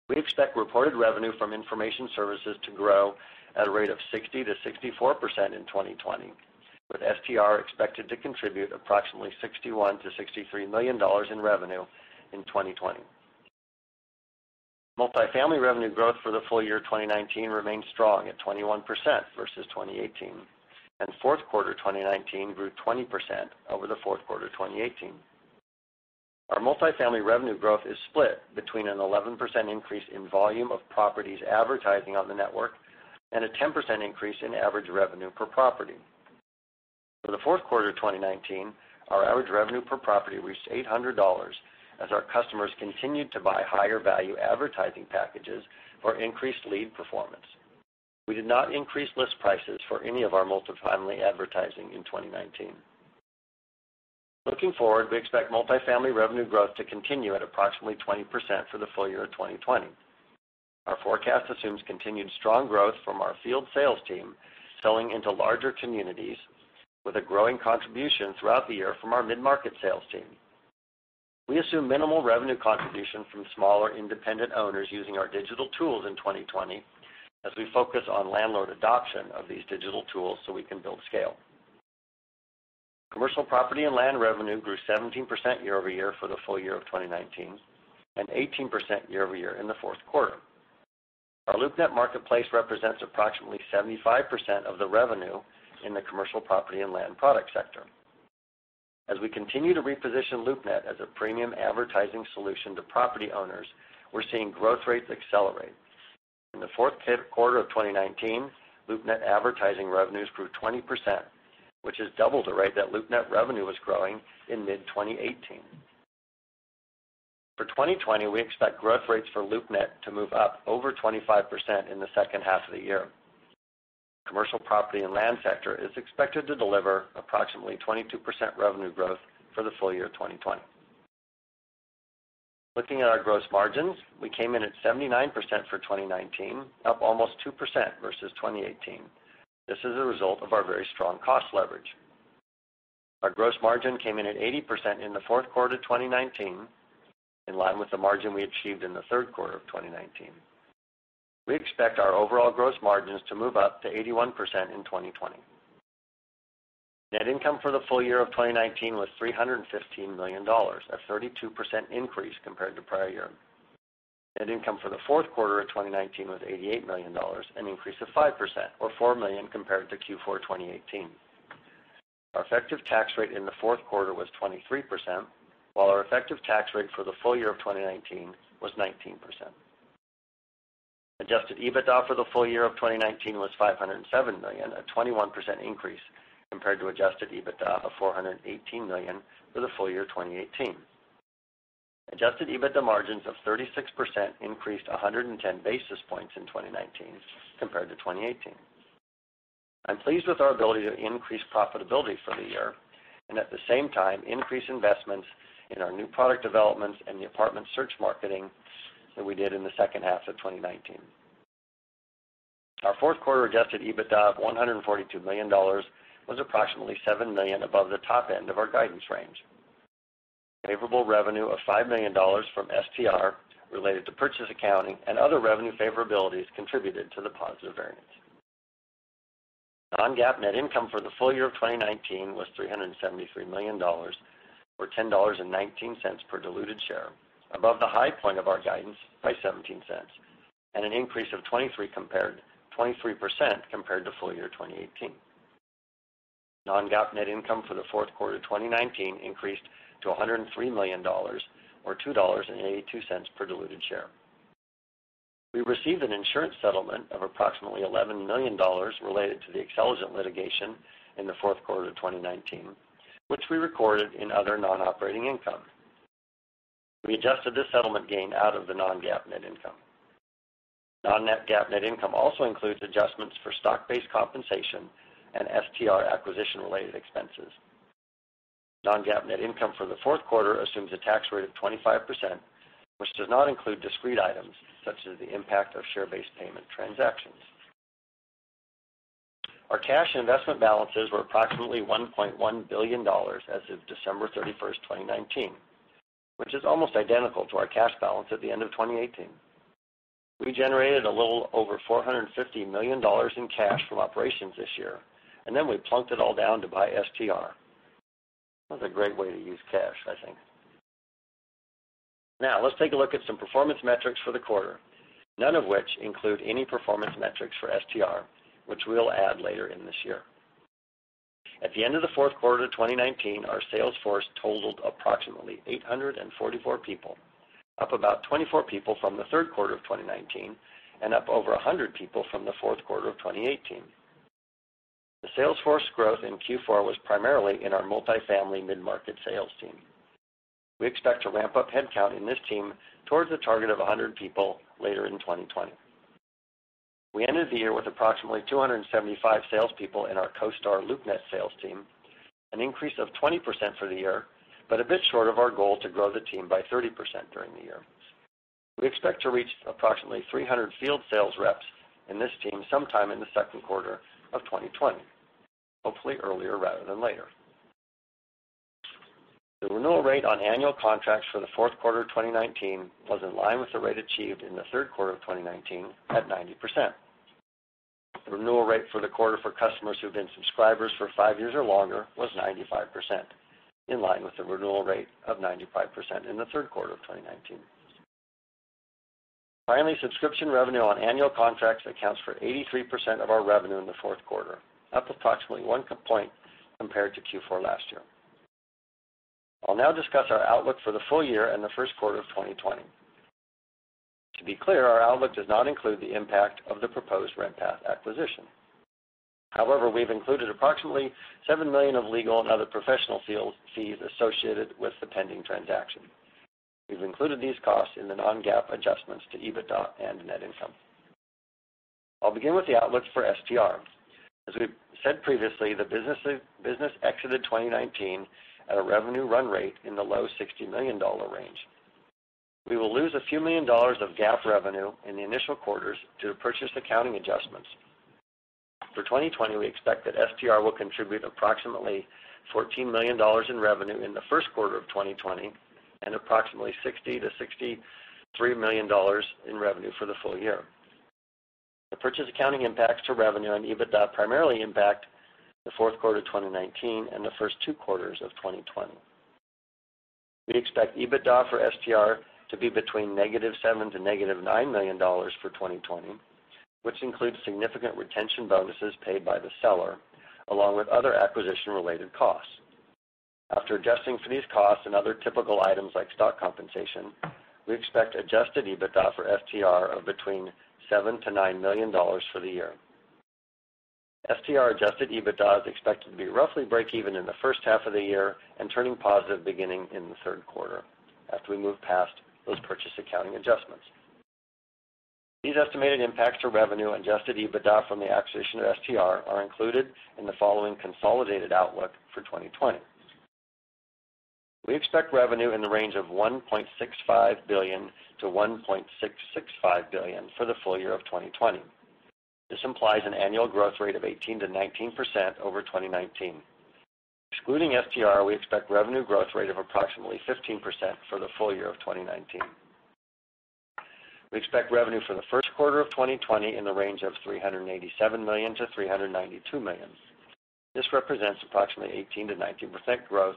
We expect reported revenue from information services to grow at a rate of 60%-64% in 2020, with STR expected to contribute approximately $61 million-$63 million in revenue in 2020. Multifamily revenue growth for the full year 2019 remained strong at 21% versus 2018. Fourth quarter 2019 grew 20% over the fourth quarter of 2018. Our multifamily revenue growth is split between an 11% increase in volume of properties advertising on the network and a 10% increase in average revenue per property. For the fourth quarter of 2019, our average revenue per property reached $800 as our customers continued to buy higher-value advertising packages for increased lead performance. We did not increase list prices for any of our multifamily advertising in 2019. Looking forward, we expect multifamily revenue growth to continue at approximately 20% for the full year of 2020. Our forecast assumes continued strong growth from our field sales team selling into larger communities with a growing contribution throughout the year from our mid-market sales team. We assume minimal revenue contribution from smaller independent owners using our digital tools in 2020 as we focus on landlord adoption of these digital tools so we can build scale. Commercial property and land revenue grew 17% year-over-year for the full year of 2019, and 18% year-over-year in the fourth quarter. Our LoopNet marketplace represents approximately 75% of the revenue in the commercial property and land product sector. As we continue to reposition LoopNet as a premium advertising solution to property owners, we're seeing growth rates accelerate. In the fourth quarter of 2019, LoopNet advertising revenues grew 20%, which is double the rate that LoopNet revenue was growing in mid-2018. For 2020, we expect growth rates for LoopNet to move up over 25% in the second half of the year. Commercial property and land sector is expected to deliver approximately 22% revenue growth for the full year 2020. Looking at our gross margins, we came in at 79% for 2019, up almost 2% versus 2018. This is a result of our very strong cost leverage. Our gross margin came in at 80% in the fourth quarter of 2019, in line with the margin we achieved in the third quarter of 2019. We expect our overall gross margins to move up to 81% in 2020. Net income for the full year of 2019 was $315 million, a 32% increase compared to prior year. Net income for the fourth quarter of 2019 was $88 million, an increase of 5% or $4 million compared to Q4 2018. Our effective tax rate in the fourth quarter was 23%, while our effective tax rate for the full year of 2019 was 19%. Adjusted EBITDA for the full year of 2019 was $507 million, a 21% increase compared to adjusted EBITDA of $418 million for the full year 2018. Adjusted EBITDA margins of 36% increased 110 basis points in 2019 compared to 2018. I'm pleased with our ability to increase profitability for the year and at the same time increase investments in our new product developments and the apartment search marketing that we did in the second half of 2019. Our fourth quarter adjusted EBITDA of $142 million was approximately $7 million above the top end of our guidance range. Favorable revenue of $5 million from STR related to purchase accounting and other revenue favorabilities contributed to the positive variance. Non-GAAP net income for the full year of 2019 was $373 million, or $10.19 per diluted share, above the high point of our guidance by $0.17, and an increase of 23% compared to full year 2018. Non-GAAP net income for the fourth quarter 2019 increased to $103 million or $2.82 per diluted share. We received an insurance settlement of approximately $11 million related to the Xceligent litigation in the fourth quarter of 2019, which we recorded in other non-operating income. We adjusted this settlement gain out of the non-GAAP net income. GAAP net income also includes adjustments for stock-based compensation and STR acquisition-related expenses. Non-GAAP net income for the fourth quarter assumes a tax rate of 25%, which does not include discrete items such as the impact of share-based payment transactions. Our cash and investment balances were approximately $1.1 billion as of December 31st, 2019, which is almost identical to our cash balance at the end of 2018. We generated a little over $450 million in cash from operations this year, then we plunked it all down to buy STR. That was a great way to use cash, I think. Let's take a look at some performance metrics for the quarter, none of which include any performance metrics for STR, which we'll add later in this year. At the end of the fourth quarter of 2019, our sales force totaled approximately 844 people, up about 24 people from the third quarter of 2019 and up over 100 people from the fourth quarter of 2018. The sales force growth in Q4 was primarily in our multifamily mid-market sales team. We expect to ramp up headcount in this team towards a target of 100 people later in 2020. We ended the year with approximately 275 salespeople in our CoStar LoopNet sales team, an increase of 20% for the year, a bit short of our goal to grow the team by 30% during the year. We expect to reach approximately 300 field sales reps in this team sometime in the second quarter of 2020, hopefully earlier rather than later. The renewal rate on annual contracts for the fourth quarter of 2019 was in line with the rate achieved in the third quarter of 2019 at 90%. The renewal rate for the quarter for customers who've been subscribers for five years or longer was 95%, in line with the renewal rate of 95% in the third quarter of 2019. Finally, subscription revenue on annual contracts accounts for 83% of our revenue in the fourth quarter, up approximately one point compared to Q4 last year. I'll now discuss our outlook for the full year and the first quarter of 2020. To be clear, our outlook does not include the impact of the proposed RentPath acquisition. However, we've included approximately $7 million of legal and other professional fees associated with the pending transaction. We've included these costs in the non-GAAP adjustments to EBITDA and net income. I'll begin with the outlook for STR. As we've said previously, the business exited 2019 at a revenue run rate in the low $60 million range. We will lose a few million dollars of GAAP revenue in the initial quarters due to purchase accounting adjustments. For 2020, we expect that STR will contribute approximately $14 million in revenue in the first quarter of 2020 and approximately $60 million-$63 million in revenue for the full year. The purchase accounting impacts to revenue and EBITDA primarily impact the fourth quarter 2019 and the first two quarters of 2020. We expect EBITDA for STR to be between -$7 million to -$9 million for 2020, which includes significant retention bonuses paid by the seller, along with other acquisition-related costs. After adjusting for these costs and other typical items like stock compensation, we expect adjusted EBITDA for STR of between $7 million-$9 million for the year. STR adjusted EBITDA is expected to be roughly breakeven in the first half of the year and turning positive beginning in the third quarter after we move past those purchase accounting adjustments. These estimated impacts to revenue and adjusted EBITDA from the acquisition of STR are included in the following consolidated outlook for 2020. We expect revenue in the range of $1.65 billion-$1.665 billion for the full year of 2020. This implies an annual growth rate of 18%-19% over 2019. Excluding STR, we expect revenue growth rate of approximately 15% for the full year of 2019. We expect revenue for the first quarter of 2020 in the range of $387 million-$392 million. This represents approximately 18%-19% growth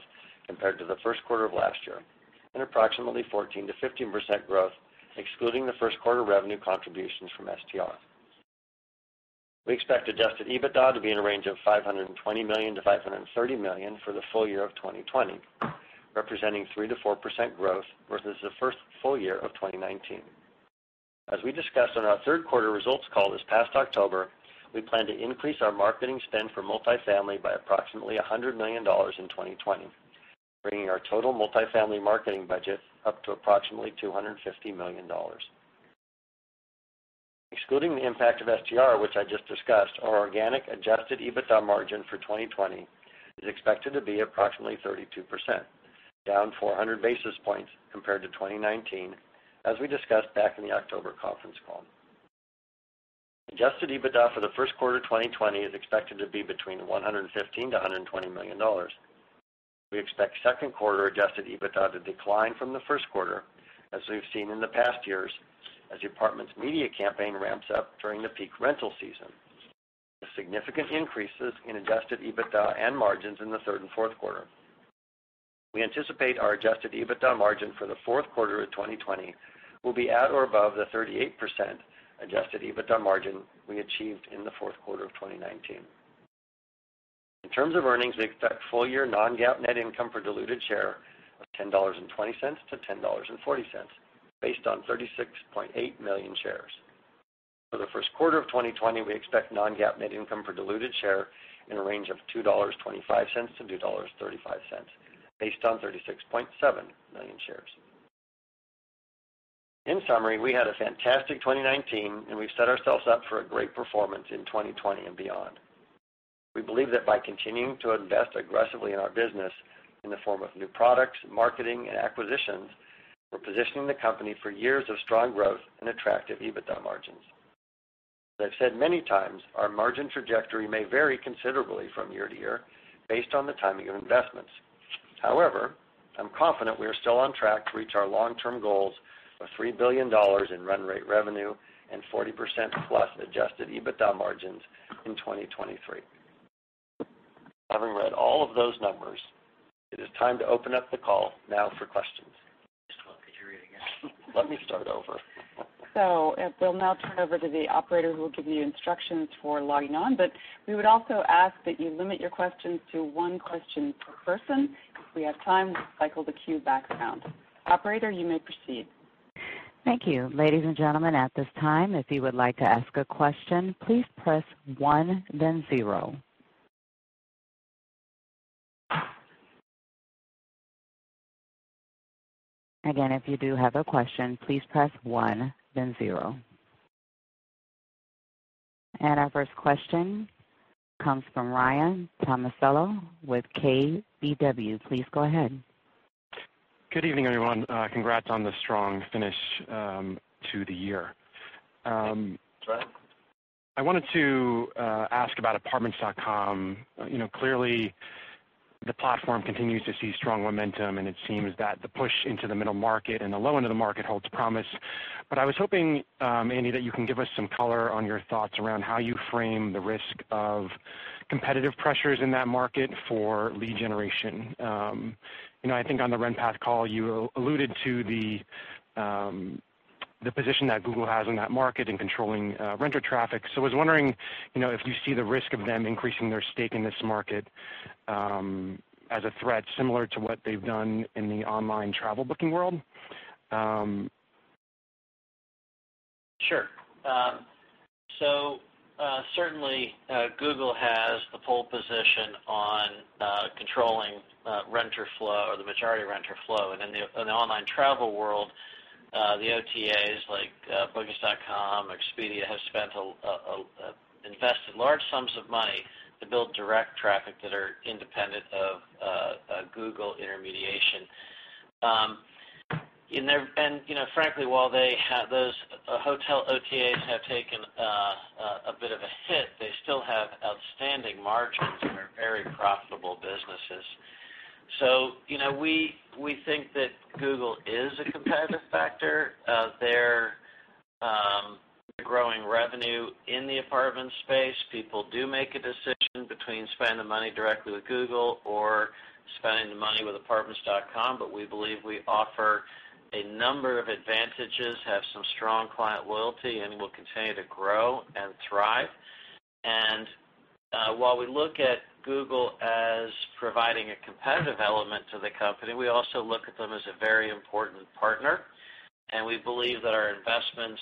compared to the first quarter of last year and approximately 14%-15% growth excluding the first quarter revenue contributions from STR. We expect adjusted EBITDA to be in a range of $520 million-$530 million for the full year of 2020, representing 3%-4% growth versus the first full year of 2019. As we discussed on our third quarter results call this past October, we plan to increase our marketing spend for multifamily by approximately $100 million in 2020, bringing our total multifamily marketing budget up to approximately $250 million. Excluding the impact of STR, which I just discussed, our organic adjusted EBITDA margin for 2020 is expected to be approximately 32%, down 400 basis points compared to 2019, as we discussed back in the October conference call. Adjusted EBITDA for the first quarter 2020 is expected to be between $115 million-$120 million. We expect second quarter adjusted EBITDA to decline from the first quarter, as we've seen in the past years, as the Apartments media campaign ramps up during the peak rental season. The significant increases in adjusted EBITDA and margins in the third and fourth quarter. We anticipate our adjusted EBITDA margin for the fourth quarter of 2020 will be at or above the 38% adjusted EBITDA margin we achieved in the fourth quarter of 2019. In terms of earnings, we expect full-year non-GAAP net income for diluted share of $10.20-$10.40, based on 36.8 million shares. For the first quarter of 2020, we expect non-GAAP net income per diluted share in a range of $2.25-$2.35, based on 36.7 million shares. In summary, we had a fantastic 2019, and we've set ourselves up for a great performance in 2020 and beyond. We believe that by continuing to invest aggressively in our business in the form of new products, marketing, and acquisitions, we're positioning the company for years of strong growth and attractive EBITDA margins. As I've said many times, our margin trajectory may vary considerably from year to year based on the timing of investments. I'm confident we are still on track to reach our long-term goals of $3 billion in run rate revenue and 40% plus adjusted EBITDA margins in 2023. Having read all of those numbers, it is time to open up the call now for questions. Chris, could you read again? Let me start over. We'll now turn over to the operator, who will give you instructions for logging on. We would also ask that you limit your questions to one question per person. If we have time, we'll cycle the queue back around. Operator, you may proceed. Thank you. Ladies and gentlemen, at this time, if you would like to ask a question, please press one then zero. Again, if you do have a question, please press one then zero. Our first question comes from Ryan Tomasello with KBW. Please go ahead. Good evening, everyone. Congrats on the strong finish to the year. I wanted to ask about Apartments.com. You know, clearly, the platform continues to see strong momentum, and it seems that the push into the middle market and the low end of the market holds promise. I was hoping, Andy, that you can give us some color on your thoughts around how you frame the risk of competitive pressures in that market for lead generation. You know, I think on the RentPath call, you alluded to the position that Google has in that market in controlling renter traffic. I was wondering, you know, if you see the risk of them increasing their stake in this market as a threat similar to what they've done in the online travel booking world? Sure. Certainly, Google has the pole position on controlling renter flow or the majority renter flow. In the online travel world, the OTAs like Booking.com, Expedia has invested large sums of money to build direct traffic that are independent of Google intermediation. You know, frankly, while those hotel OTAs have taken a bit of a hit, they still have outstanding margins and are very profitable businesses. You know, we think that Google is a competitive factor. They're growing revenue in the apartment space. People do make a decision between spending the money directly with Google or spending the money with Apartments.com, but we believe we offer a number of advantages, have some strong client loyalty, and will continue to grow and thrive. While we look at Google as providing a competitive element to the company, we also look at them as a very important partner. We believe that our investments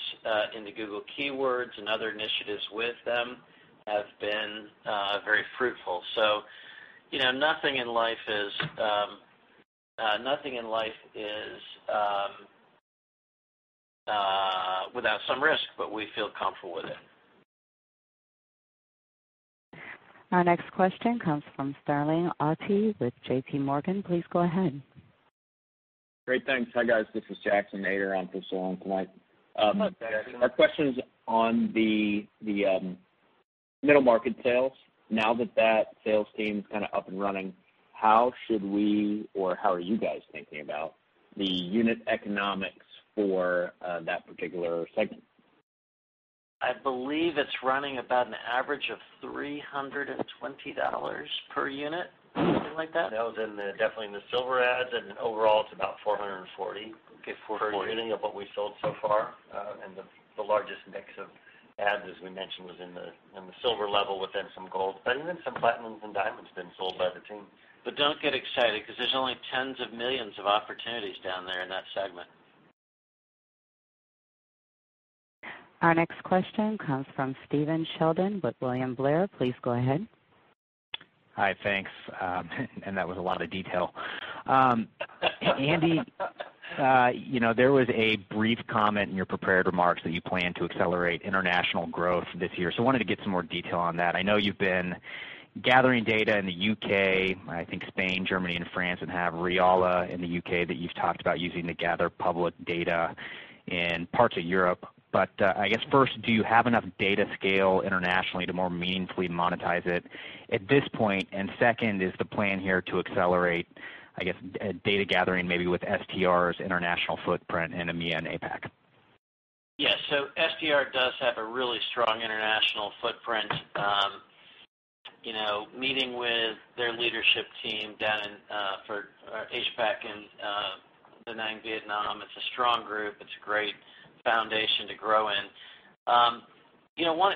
into Google Keywords and other initiatives with them have been very fruitful. You know, nothing in life is without some risk, but we feel comfortable with it. Our next question comes from Sterling Auty with JPMorgan. Please go ahead. Great. Thanks. Hi, guys. This is Jackson Ader on for Sterling tonight. Hi, Jackson. Our question is on the middle market sales. Now that that sales team's kinda up and running, how should we or how are you guys thinking about the unit economics for that particular segment? I believe it's running about an average of $320 per unit. Something like that? That was in the definitely in the Silver ads, and then overall it's about 440- Okay, 440. per unit of what we sold so far. The largest mix of ads, as we mentioned, was in the Silver level within some Gold. Even some Platinums and Diamonds been sold by the team. Don't get excited 'cause there's only tens of millions of opportunities down there in that segment. Our next question comes from Stephen Sheldon with William Blair. Please go ahead. Hi. Thanks. That was a lot of detail. Andy, you know, there was a brief comment in your prepared remarks that you plan to accelerate international growth this year. I wanted to get some more detail on that. I know you've been gathering data in the U.K., I think Spain, Germany, and France, and have Realla in the U.K. that you've talked about using to gather public data in parts of Europe. I guess first, do you have enough data scale internationally to more meaningfully monetize it at this point? Second, is the plan here to accelerate, I guess, data gathering maybe with STR's international footprint in EMEA and APAC? Yes. STR does have a really strong international footprint. You know, meeting with their leadership team down in for APAC and Da Nang, Vietnam, it's a strong group. It's a great foundation to grow in. You know, when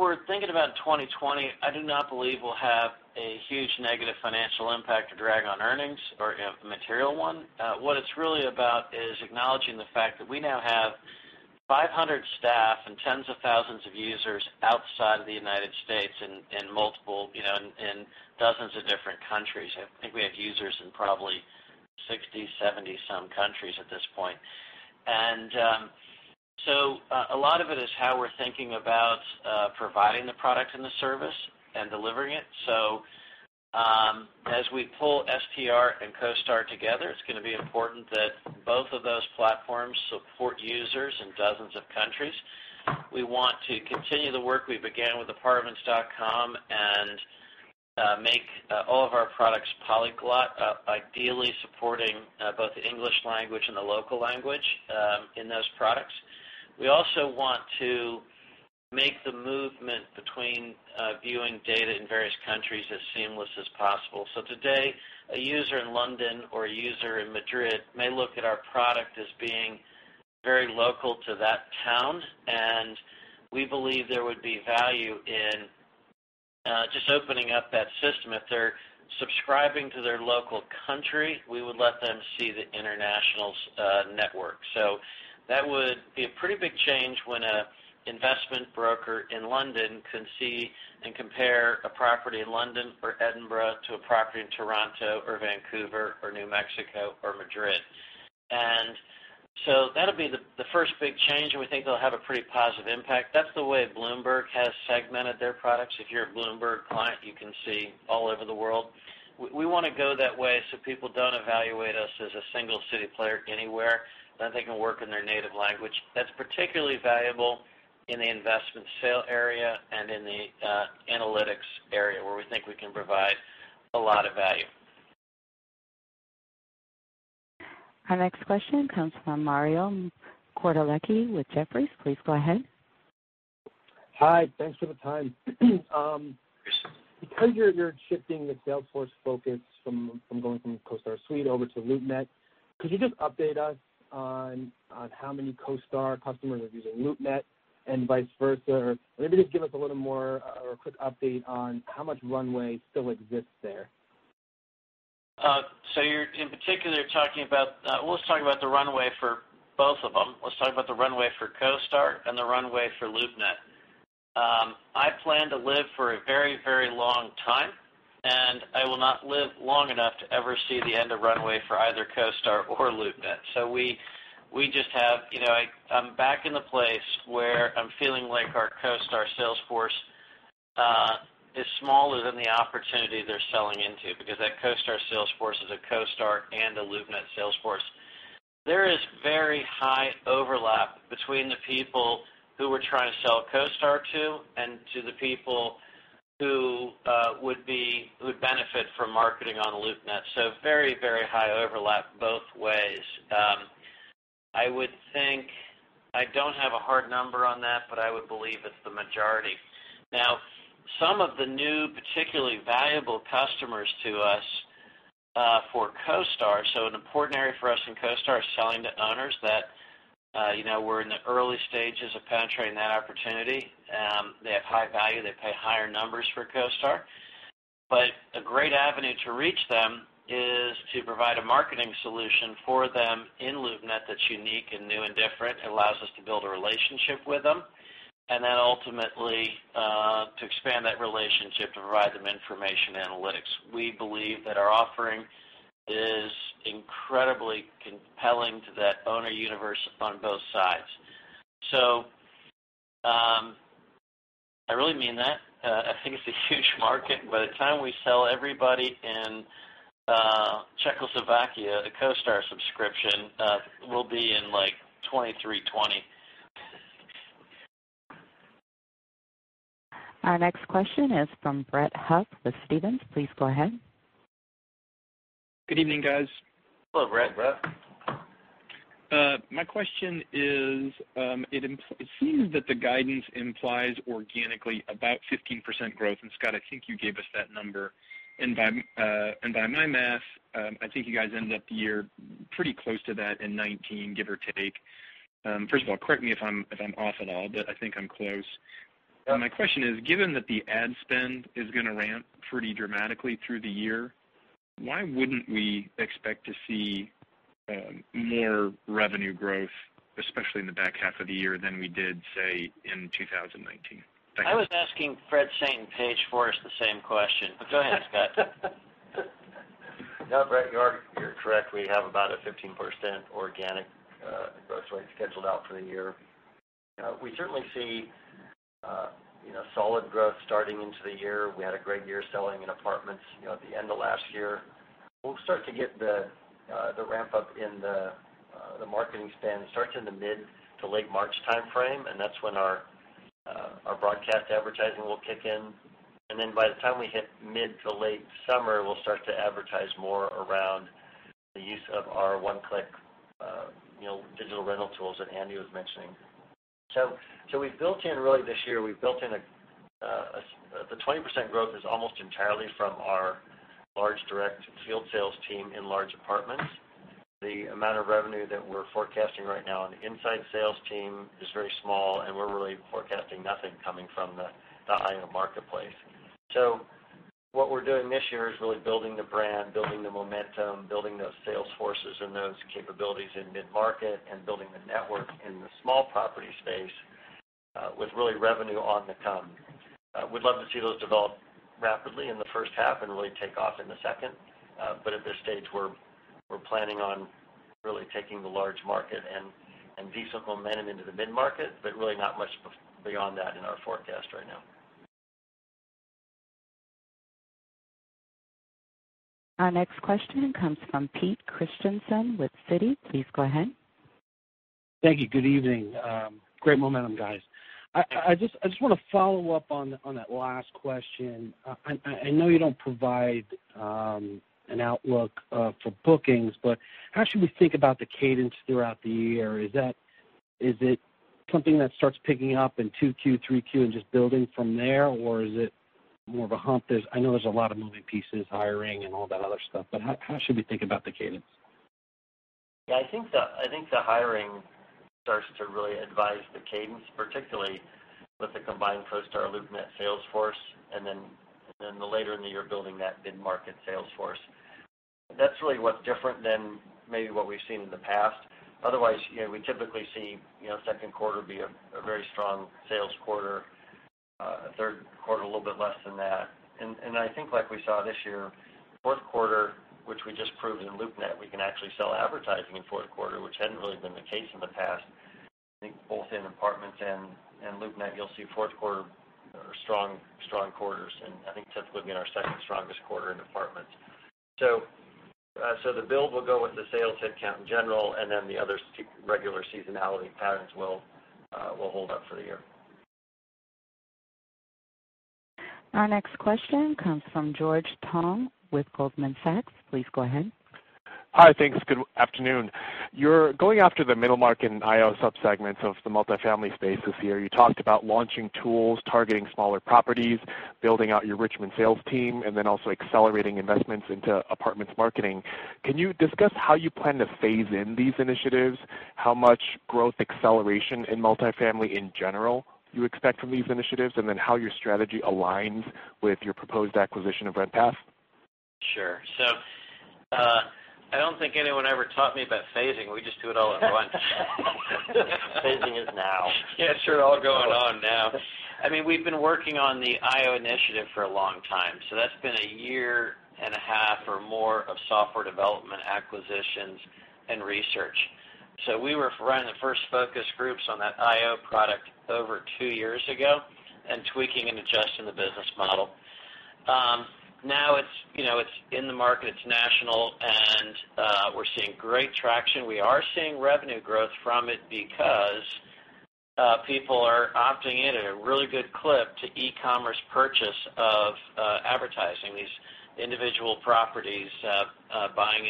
we're thinking about 2020, I do not believe we'll have a huge negative financial impact or drag on earnings or, you know, material one. What it's really about is acknowledging the fact that we now have 500 staff and tens of thousands of users outside of the U.S. in multiple, you know, in dozens of different countries. I think we have users in probably 60, 70 some countries at this point. A lot of it is how we're thinking about providing the product and the service and delivering it. As we pull STR and CoStar together, it's gonna be important that both of those platforms support users in dozens of countries. We want to continue the work we began with Apartments.com and make all of our products polyglot, ideally supporting both the English language and the local language in those products. We also want to make the movement between viewing data in various countries as seamless as possible. Today, a user in London or a user in Madrid may look at our product as being very local to that town, and we believe there would be value in just opening up that system. If they're subscribing to their local country, we would let them see the internationals network. That would be a pretty big change when an investment broker in London can see and compare a property in London or Edinburgh to a property in Toronto or Vancouver or New Mexico or Madrid. That'll be the first big change, and we think it'll have a pretty positive impact. That's the way Bloomberg has segmented their products. If you're a Bloomberg client, you can see all over the world. We wanna go that way so people don't evaluate us as a single city player anywhere, then they can work in their native language. That's particularly valuable in the investment sale area and in the analytics area, where we think we can provide a lot of value. Our next question comes from Mario Cortellacci with Jefferies. Please go ahead. Hi. Thanks for the time. Because you're shifting the Salesforce focus from going from CoStar Suite over to LoopNet, could you just update us on how many CoStar customers are using LoopNet and vice versa? Maybe just give us a little more or a quick update on how much runway still exists there. You're in particular talking about let's talk about the runway for both of them. Let's talk about the runway for CoStar and the runway for LoopNet. I plan to live for a very, very long time, and I will not live long enough to ever see the end of runway for either CoStar or LoopNet. We just have You know, I'm back in the place where I'm feeling like our CoStar sales force is smaller than the opportunity they're selling into because that CoStar sales force is a CoStar and a LoopNet sales force. There is very high overlap between the people who we're trying to sell CoStar to and to the people who would benefit from marketing on LoopNet. Very, very high overlap both ways. I would think I don't have a hard number on that, but I would believe it's the majority. Some of the new particularly valuable customers to us, for CoStar, so an important area for us in CoStar is selling to owners that, you know, we're in the early stages of penetrating that opportunity. They have high value, they pay higher numbers for CoStar. A great avenue to reach them is to provide a marketing solution for them in LoopNet that's unique and new and different. It allows us to build a relationship with them, and then ultimately, to expand that relationship to provide them information analytics. We believe that our offering is incredibly compelling to that owner universe on both sides. I really mean that. I think it's a huge market. By the time we sell everybody in Czechoslovakia the CoStar subscription, we'll be in, like, 2320. Our next question is from Brett Huff with Stephens. Please go ahead. Good evening, guys. Hello, Brett. Brett. My question is, it seems that the guidance implies organically about 15% growth, Scott, I think you gave us that number. By my math, I think you guys ended up the year pretty close to that in 2019, give or take. First of all, correct me if I'm off at all, but I think I'm close. Yeah. My question is, given that the ad spend is gonna ramp pretty dramatically through the year, why wouldn't we expect to see more revenue growth, especially in the back half of the year than we did, say, in 2019? Thanks. I was asking Fred Saint and Paige Forrest the same question. Go ahead, Scott. Brett, you are correct. We have about a 15% organic growth rate scheduled out for the year. We certainly see, you know, solid growth starting into the year. We had a great year selling in apartments, you know, at the end of last year. We'll start to get the ramp up in the marketing spend starts in the mid-to-late March timeframe, that's when our broadcast advertising will kick in. By the time we hit mid-to-late summer, we'll start to advertise more around the use of our one-click, you know, digital rental tools that Andy was mentioning. We've built in Really, this year, we've built in the 20% growth is almost entirely from our large direct field sales team in large apartments. The amount of revenue that we're forecasting right now on the inside sales team is very small, and we're really forecasting nothing coming from the IO marketplace. What we're doing this year is really building the brand, building the momentum, building those sales forces and those capabilities in mid-market, and building the network in the small property space with really revenue on the come. We'd love to see those develop rapidly in the first half and really take off in the second. But at this stage, we're planning on really taking the large market and decent momentum into the mid-market, but really not much beyond that in our forecast right now. Our next question comes from Peter Christiansen with Citi. Please go ahead. Thank you. Good evening. Great momentum, guys. I just wanna follow up on that last question. I know you don't provide an outlook for bookings, but how should we think about the cadence throughout the year? Is it something that starts picking up in 2Q, 3Q and just building from there, or is it more of a hump? There's I know there's a lot of moving pieces, hiring and all that other stuff, but how should we think about the cadence? I think the hiring starts to really advise the cadence, particularly with the combined CoStar, LoopNet sales force, and then later in the year building that mid-market sales force. That's really what's different than maybe what we've seen in the past. You know, we typically see, you know, second quarter be a very strong sales quarter, third quarter a little bit less than that. I think like we saw this year, fourth quarter, which we just proved in LoopNet, we can actually sell advertising in fourth quarter, which hadn't really been the case in the past. I think both in apartments and LoopNet, you'll see fourth quarter are strong quarters, and I think that's gonna be our second strongest quarter in apartments. The build will go with the sales headcount in general, and then the other regular seasonality patterns will hold up for the year. Our next question comes from George Tong with Goldman Sachs. Please go ahead. Hi. Thanks. Good afternoon. You're going after the middle market and IO sub-segments of the multifamily space this year. You talked about launching tools, targeting smaller properties, building out your Richmond sales team, and then also accelerating investments into Apartments marketing. Can you discuss how you plan to phase in these initiatives, how much growth acceleration in multifamily in general you expect from these initiatives, and then how your strategy aligns with your proposed acquisition of RentPath? Sure. I don't think anyone ever taught me about phasing. We just do it all at once. Phasing is now. Yeah. It's sure all going on now. I mean, we've been working on the IO initiative for a long time. That's been a 1.5 years or more of software development acquisitions and research. We were running the first focus groups on that IO product over two years ago and tweaking and adjusting the business model. Now it's, you know, it's in the market, it's national, and we're seeing great traction. We are seeing revenue growth from it because people are opting in at a really good clip to e-commerce purchase of advertising these individual properties, buying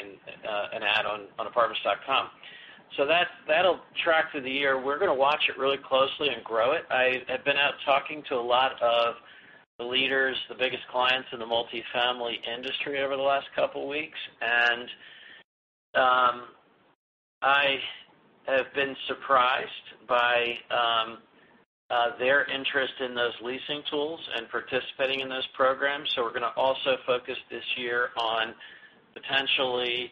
an ad on Apartments.com. That, that'll track through the year. We're gonna watch it really closely and grow it. I have been out talking to a lot of the leaders, the biggest clients in the multifamily industry over the last couple weeks, and I have been surprised by their interest in those leasing tools and participating in those programs. We're gonna also focus this year on potentially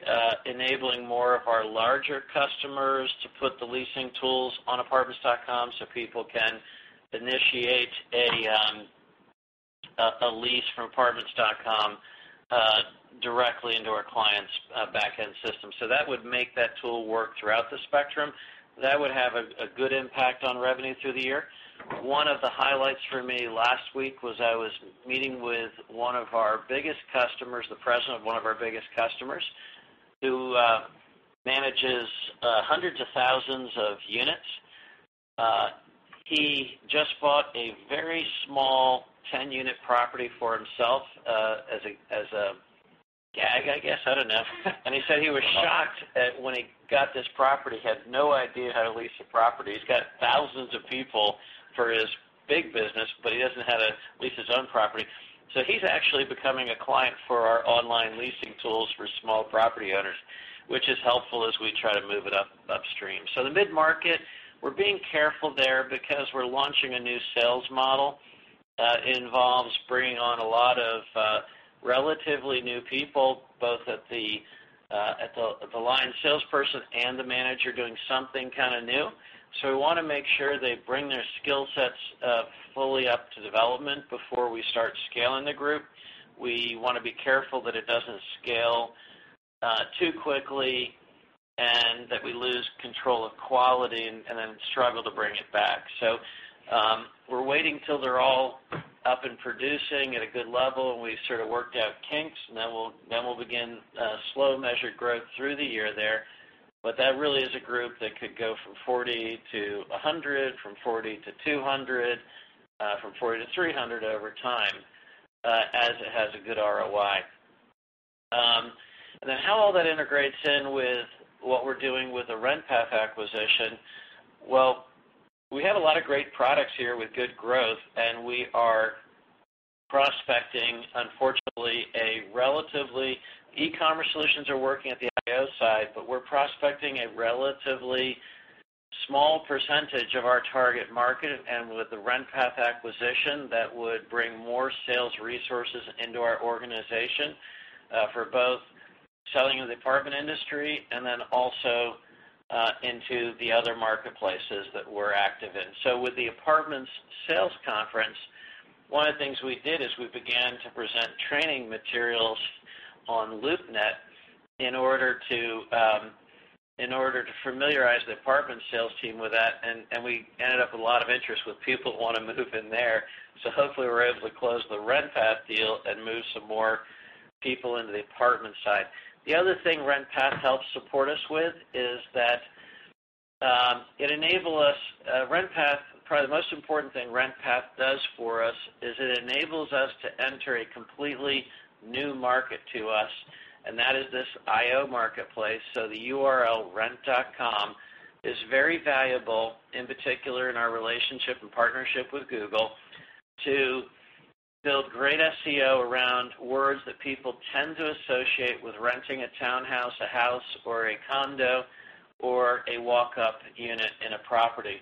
enabling more of our larger customers to put the leasing tools on Apartments.com so people can initiate a lease from Apartments.com directly into our client's backend system. That would make that tool work throughout the spectrum. That would have a good impact on revenue through the year. One of the highlights for me last week was I was meeting with one of our biggest customers, the president of one of our biggest customers, who manages hundreds of thousands of units. He just bought a very small 10-unit property for himself, as a, as a gag, I guess. I don't know. He said he was shocked at when he got this property, had no idea how to lease a property. He's got thousands of people for his big business, but he doesn't know how to lease his own property. He's actually becoming a client for our online leasing tools for small property owners, which is helpful as we try to move it up-upstream. The mid-market, we're being careful there because we're launching a new sales model, involves bringing on a lot of, relatively new people, both at the, at the line salesperson and the manager doing something kinda new. We wanna make sure they bring their skill sets, fully up to development before we start scaling the group. We wanna be careful that it doesn't scale too quickly and that we lose control of quality and then struggle to bring it back. We're waiting till they're all up and producing at a good level, and we sort of worked out kinks, and then we'll begin slow measured growth through the year there. That really is a group that could go from 40-100, from 40-200, from 40-300 over time, as it has a good ROI. Then how all that integrates in with what we're doing with the RentPath acquisition, well, we have a lot of great products here with good growth, and we are prospecting, unfortunately, e-commerce solutions are working at the IO side, but we're prospecting a relatively small percentage of our target market, and with the RentPath acquisition, that would bring more sales resources into our organization for both selling to the apartment industry and then also into the other marketplaces that we're active in. With the Apartments sales conference, one of the things we did is we began to present training materials on LoopNet in order to familiarize the apartment sales team with that, and we ended up with a lot of interest with people wanting to move in there. Hopefully, we're able to close the RentPath deal and move some more people into the apartment side. The other thing RentPath helps support us with is that, it enables us RentPath, probably the most important thing RentPath does for us is it enables us to enter a completely new market to us, and that is this IO marketplace. The URL rent.com is very valuable, in particular in our relationship and partnership with Google, to build great SEO around words that people tend to associate with renting a townhouse, a house, or a condo, or a walk-up unit in a property.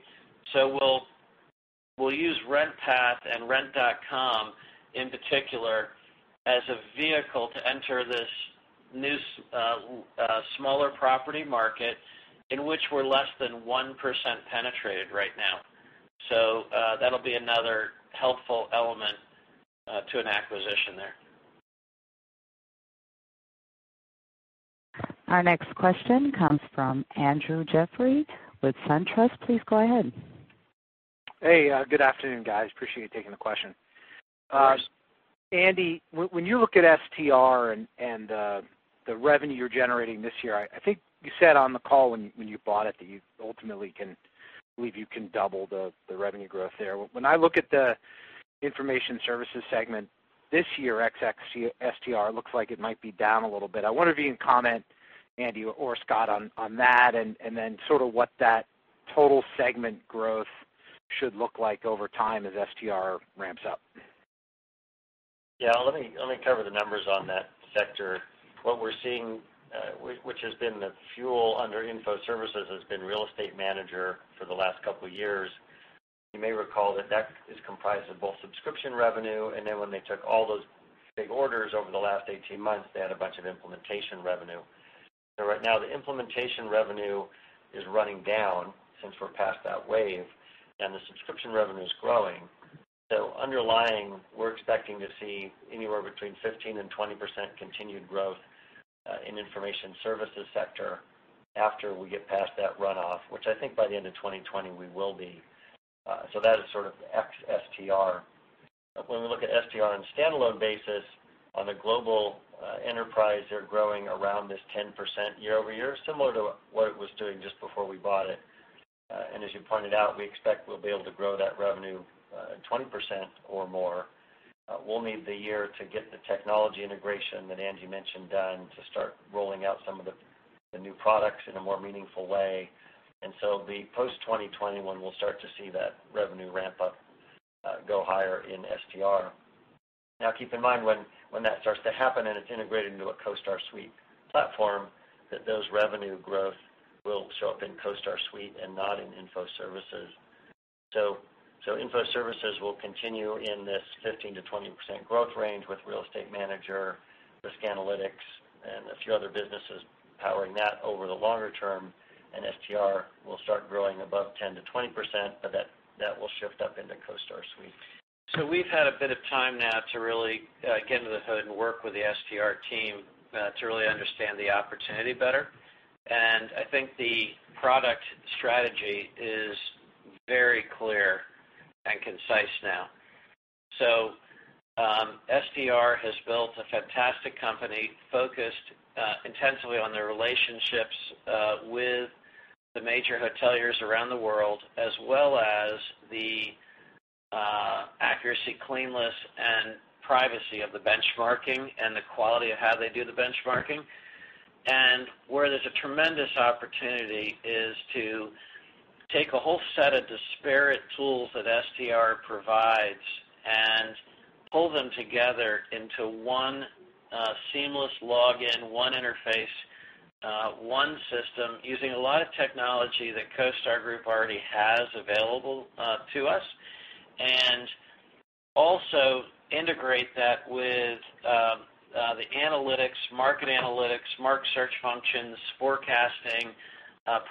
We'll use RentPath and rent.com in particular as a vehicle to enter this new smaller property market in which we're less than 1% penetrated right now. That'll be another helpful element to an acquisition there. Our next question comes from Andrew Jeffrey with SunTrust. Please go ahead. Hey, good afternoon, guys. Appreciate you taking the question. Of course. Andy, when you look at STR and the revenue you're generating this year, you said on the call when you bought it that you ultimately can believe you can double the revenue growth there. When I look at the Information Services Segment this year, ex-STR, looks like it might be down a little bit. I wonder if you can comment, Andy or Scott, on that, and then sort of what that total segment growth should look like over time as STR ramps up. Let me cover the numbers on that sector. What we're seeing, which has been the fuel under info services has been CoStar Real Estate Manager for the last couple years. You may recall that that is comprised of both subscription revenue, and then when they took all those big orders over the last 18 months, they had a bunch of implementation revenue. Right now the implementation revenue is running down since we're past that wave, and the subscription revenue is growing. Underlying, we're expecting to see anywhere between 15% and 20% continued growth in information services sector after we get past that runoff, which I think by the end of 2020 we will be. That is sort of ex STR. When we look at STR on a standalone basis on a global enterprise, they're growing around this 10% year-over-year, similar to what it was doing just before we bought it. As you pointed out, we expect we'll be able to grow that revenue, 20% or more. We'll need the year to get the technology integration that Andy mentioned done to start rolling out some of the new products in a more meaningful way. The post-2021, we'll start to see that revenue ramp up, go higher in STR. Keep in mind when that starts to happen and it's integrated into a CoStar Suite platform, that those revenue growth will show up in CoStar Suite and not in info services. Info Services will continue in this 15%-20% growth range with Real Estate Manager, Risk Analytics, and a few other businesses powering that over the longer term. STR will start growing above 10%-20%, but that will shift up into CoStar Suite. We've had a bit of time now to really get into the hood and work with the STR team to really understand the opportunity better. I think the product strategy is very clear and concise now. STR has built a fantastic company focused intensively on their relationships with the major hoteliers around the world, as well as the accuracy, clean list, and privacy of the benchmarking and the quality of how they do the benchmarking. Where there's a tremendous opportunity is to take a whole set of disparate tools that STR provides and pull them together into one seamless login, one interface, one system using a lot of technology that CoStar Group already has available to us. Also integrate that with the analytics, market analytics, market search functions, forecasting,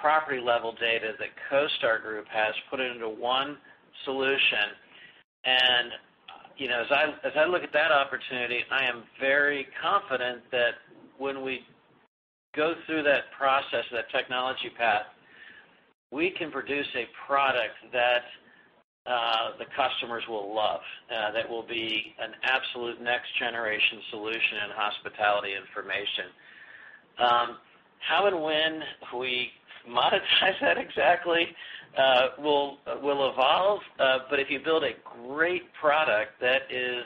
property-level data that CoStar Group has, put it into one solution. You know, as I look at that opportunity, I am very confident that when we go through that process, that technology path, we can produce a product that the customers will love, that will be an absolute next generation solution in hospitality information. How and when we monetize that exactly will evolve. If you build a great product that is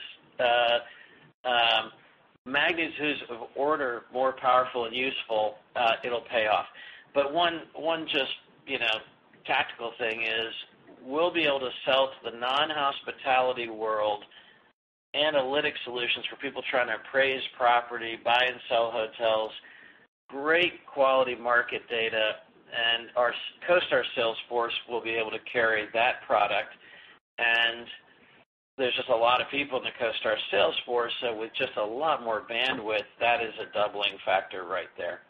magnitudes of order more powerful and useful, it'll pay off. One just, you know, tactical thing is we'll be able to sell to the non-hospitality world analytic solutions for people trying to appraise property, buy and sell hotels, great quality market data, and our CoStar sales force will be able to carry that product. There's just a lot of people in the CoStar sales force, so with just a lot more bandwidth, that is a doubling factor right there.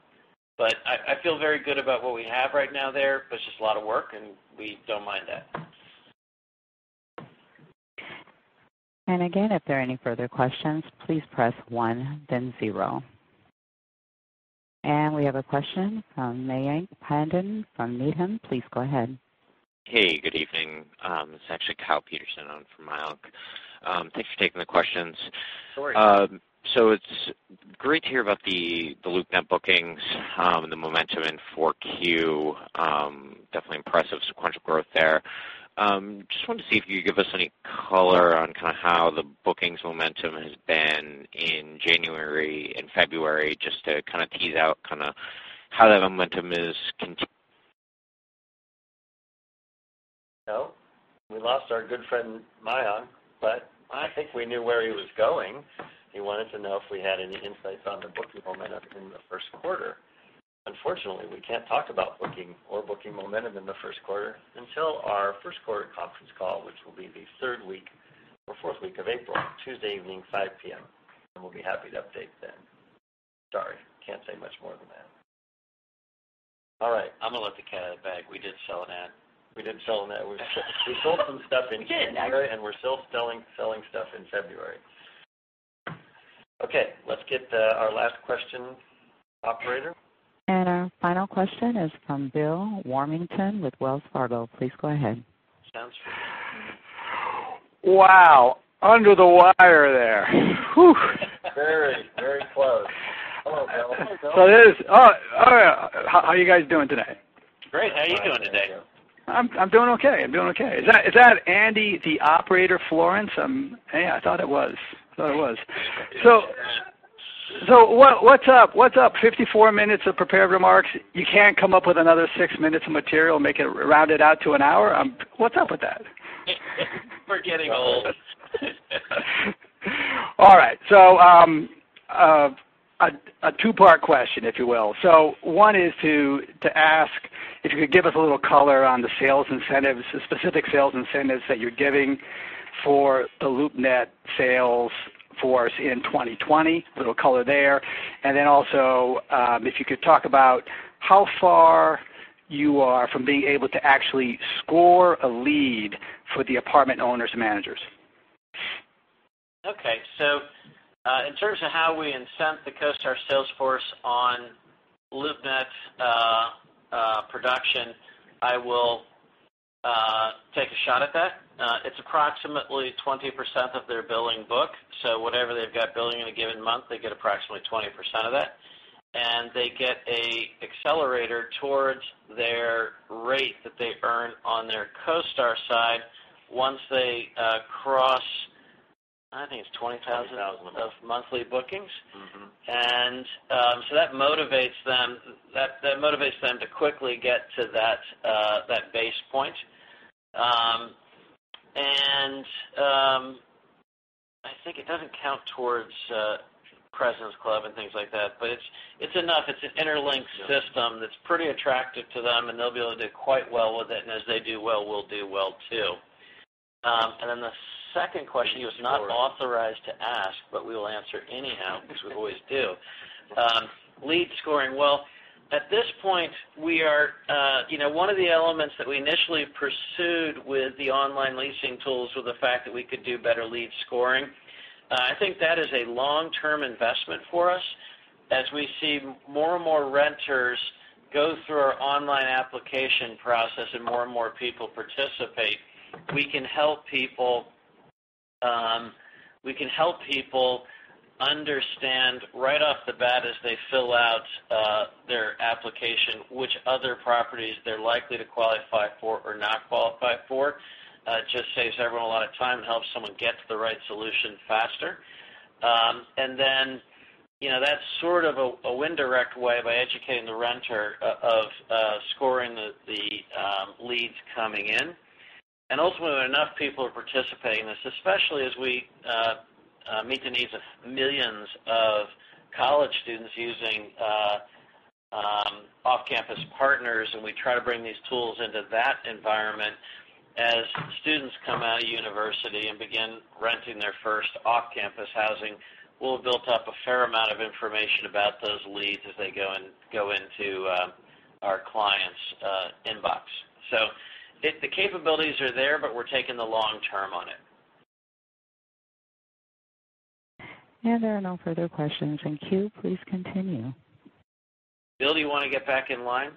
I feel very good about what we have right now there, but it's just a lot of work, and we don't mind that. Again, if there are any further questions, please press one then zero. We have a question from Mayank Tandon from Needham & Company. Please go ahead. Hey, good evening. It's actually Kyle Peterson on for Mayank. Thanks for taking the questions. Of course. It's great to hear about the LoopNet bookings and the momentum in four Q. Definitely impressive sequential growth there. Just wanted to see if you could give us any color on kinda how the bookings momentum has been in January and February, just to kind of tease out kinda how that momentum is. No, we lost our good friend Mayank, but I think we knew where he was going. He wanted to know if we had any insights on the booking momentum in the first quarter. Unfortunately, we can't talk about booking or booking momentum in the first quarter until our first quarter conference call, which will be the third week or fourth week of April, Tuesday evening, 5:00 P.M. and we'll be happy to update then. Sorry, can't say much more than that. All right, I'm going to let the cat out of the bag. We did sell an ad. We didn't sell an ad. We sold some stuff in January. We did. We're still selling stuff in February. Okay, let's get our last question, operator. Our final question is from Bill Warmington with Wells Fargo. Please go ahead. Sounds familiar. Wow, under the wire there. Whoo. Very, very close. Hello, Bill. Hello, Bill. It is all right. How are you guys doing today? Great. How are you doing today? I'm doing okay. I'm doing okay. Is that Andy, the operator Florance? Hey, I thought it was. I thought it was. What's up? What's up? 54 minutes of prepared remarks. You can't come up with another six minutes of material, make it round it out to an hour? What's up with that? We're getting old. All right. A two-part question, if you will. One is to ask if you could give us a little color on the sales incentives, the specific sales incentives that you're giving for the LoopNet sales force in 2020, a little color there. Also, if you could talk about how far you are from being able to actually score a lead for the apartment owners and managers. Okay. In terms of how we incent the CoStar sales force on LoopNet production, I will take a shot at that. It's approximately 20% of their billing book. Whatever they've got billing in a given month, they get approximately 20% of that. They get a accelerator towards their rate that they earn on their CoStar side once they cross, I think it's $20,000- $20,000. -of monthly bookings. That motivates them. That motivates them to quickly get to that base point. I think it doesn't count towards President's Club and things like that, but it's enough. It's an interlinked system that's pretty attractive to them, and they'll be able to do quite well with it. As they do well, we'll do well too. The second question you was not authorized to ask, but we will answer anyhow because we always do. Lead scoring. Well, at this point, we are, you know, one of the elements that we initially pursued with the online leasing tools was the fact that we could do better lead scoring. I think that is a long-term investment for us. As we see more and more renters go through our online application process and more and more people participate, we can help people understand right off the bat as they fill out their application, which other properties they're likely to qualify for or not qualify for. It just saves everyone a lot of time and helps someone get to the right solution faster. You know, that's sort of a indirect way by educating the renter of scoring the leads coming in. Ultimately, when enough people are participating in this, especially as we meet the needs of millions of college students using Off Campus Partners, and we try to bring these tools into that environment. As students come out of university and begin renting their first off-campus housing, we'll have built up a fair amount of information about those leads as they go into our clients' inbox. The capabilities are there, but we're taking the long term on it. There are no further questions in queue. Please continue. Bill, do you want to get back in line?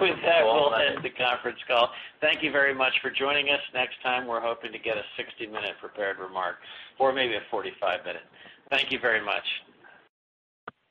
With that, we'll end the conference call. Thank you very much for joining us. Next time, we're hoping to get a 60-minute prepared remark or maybe a 45-minute. Thank you very much.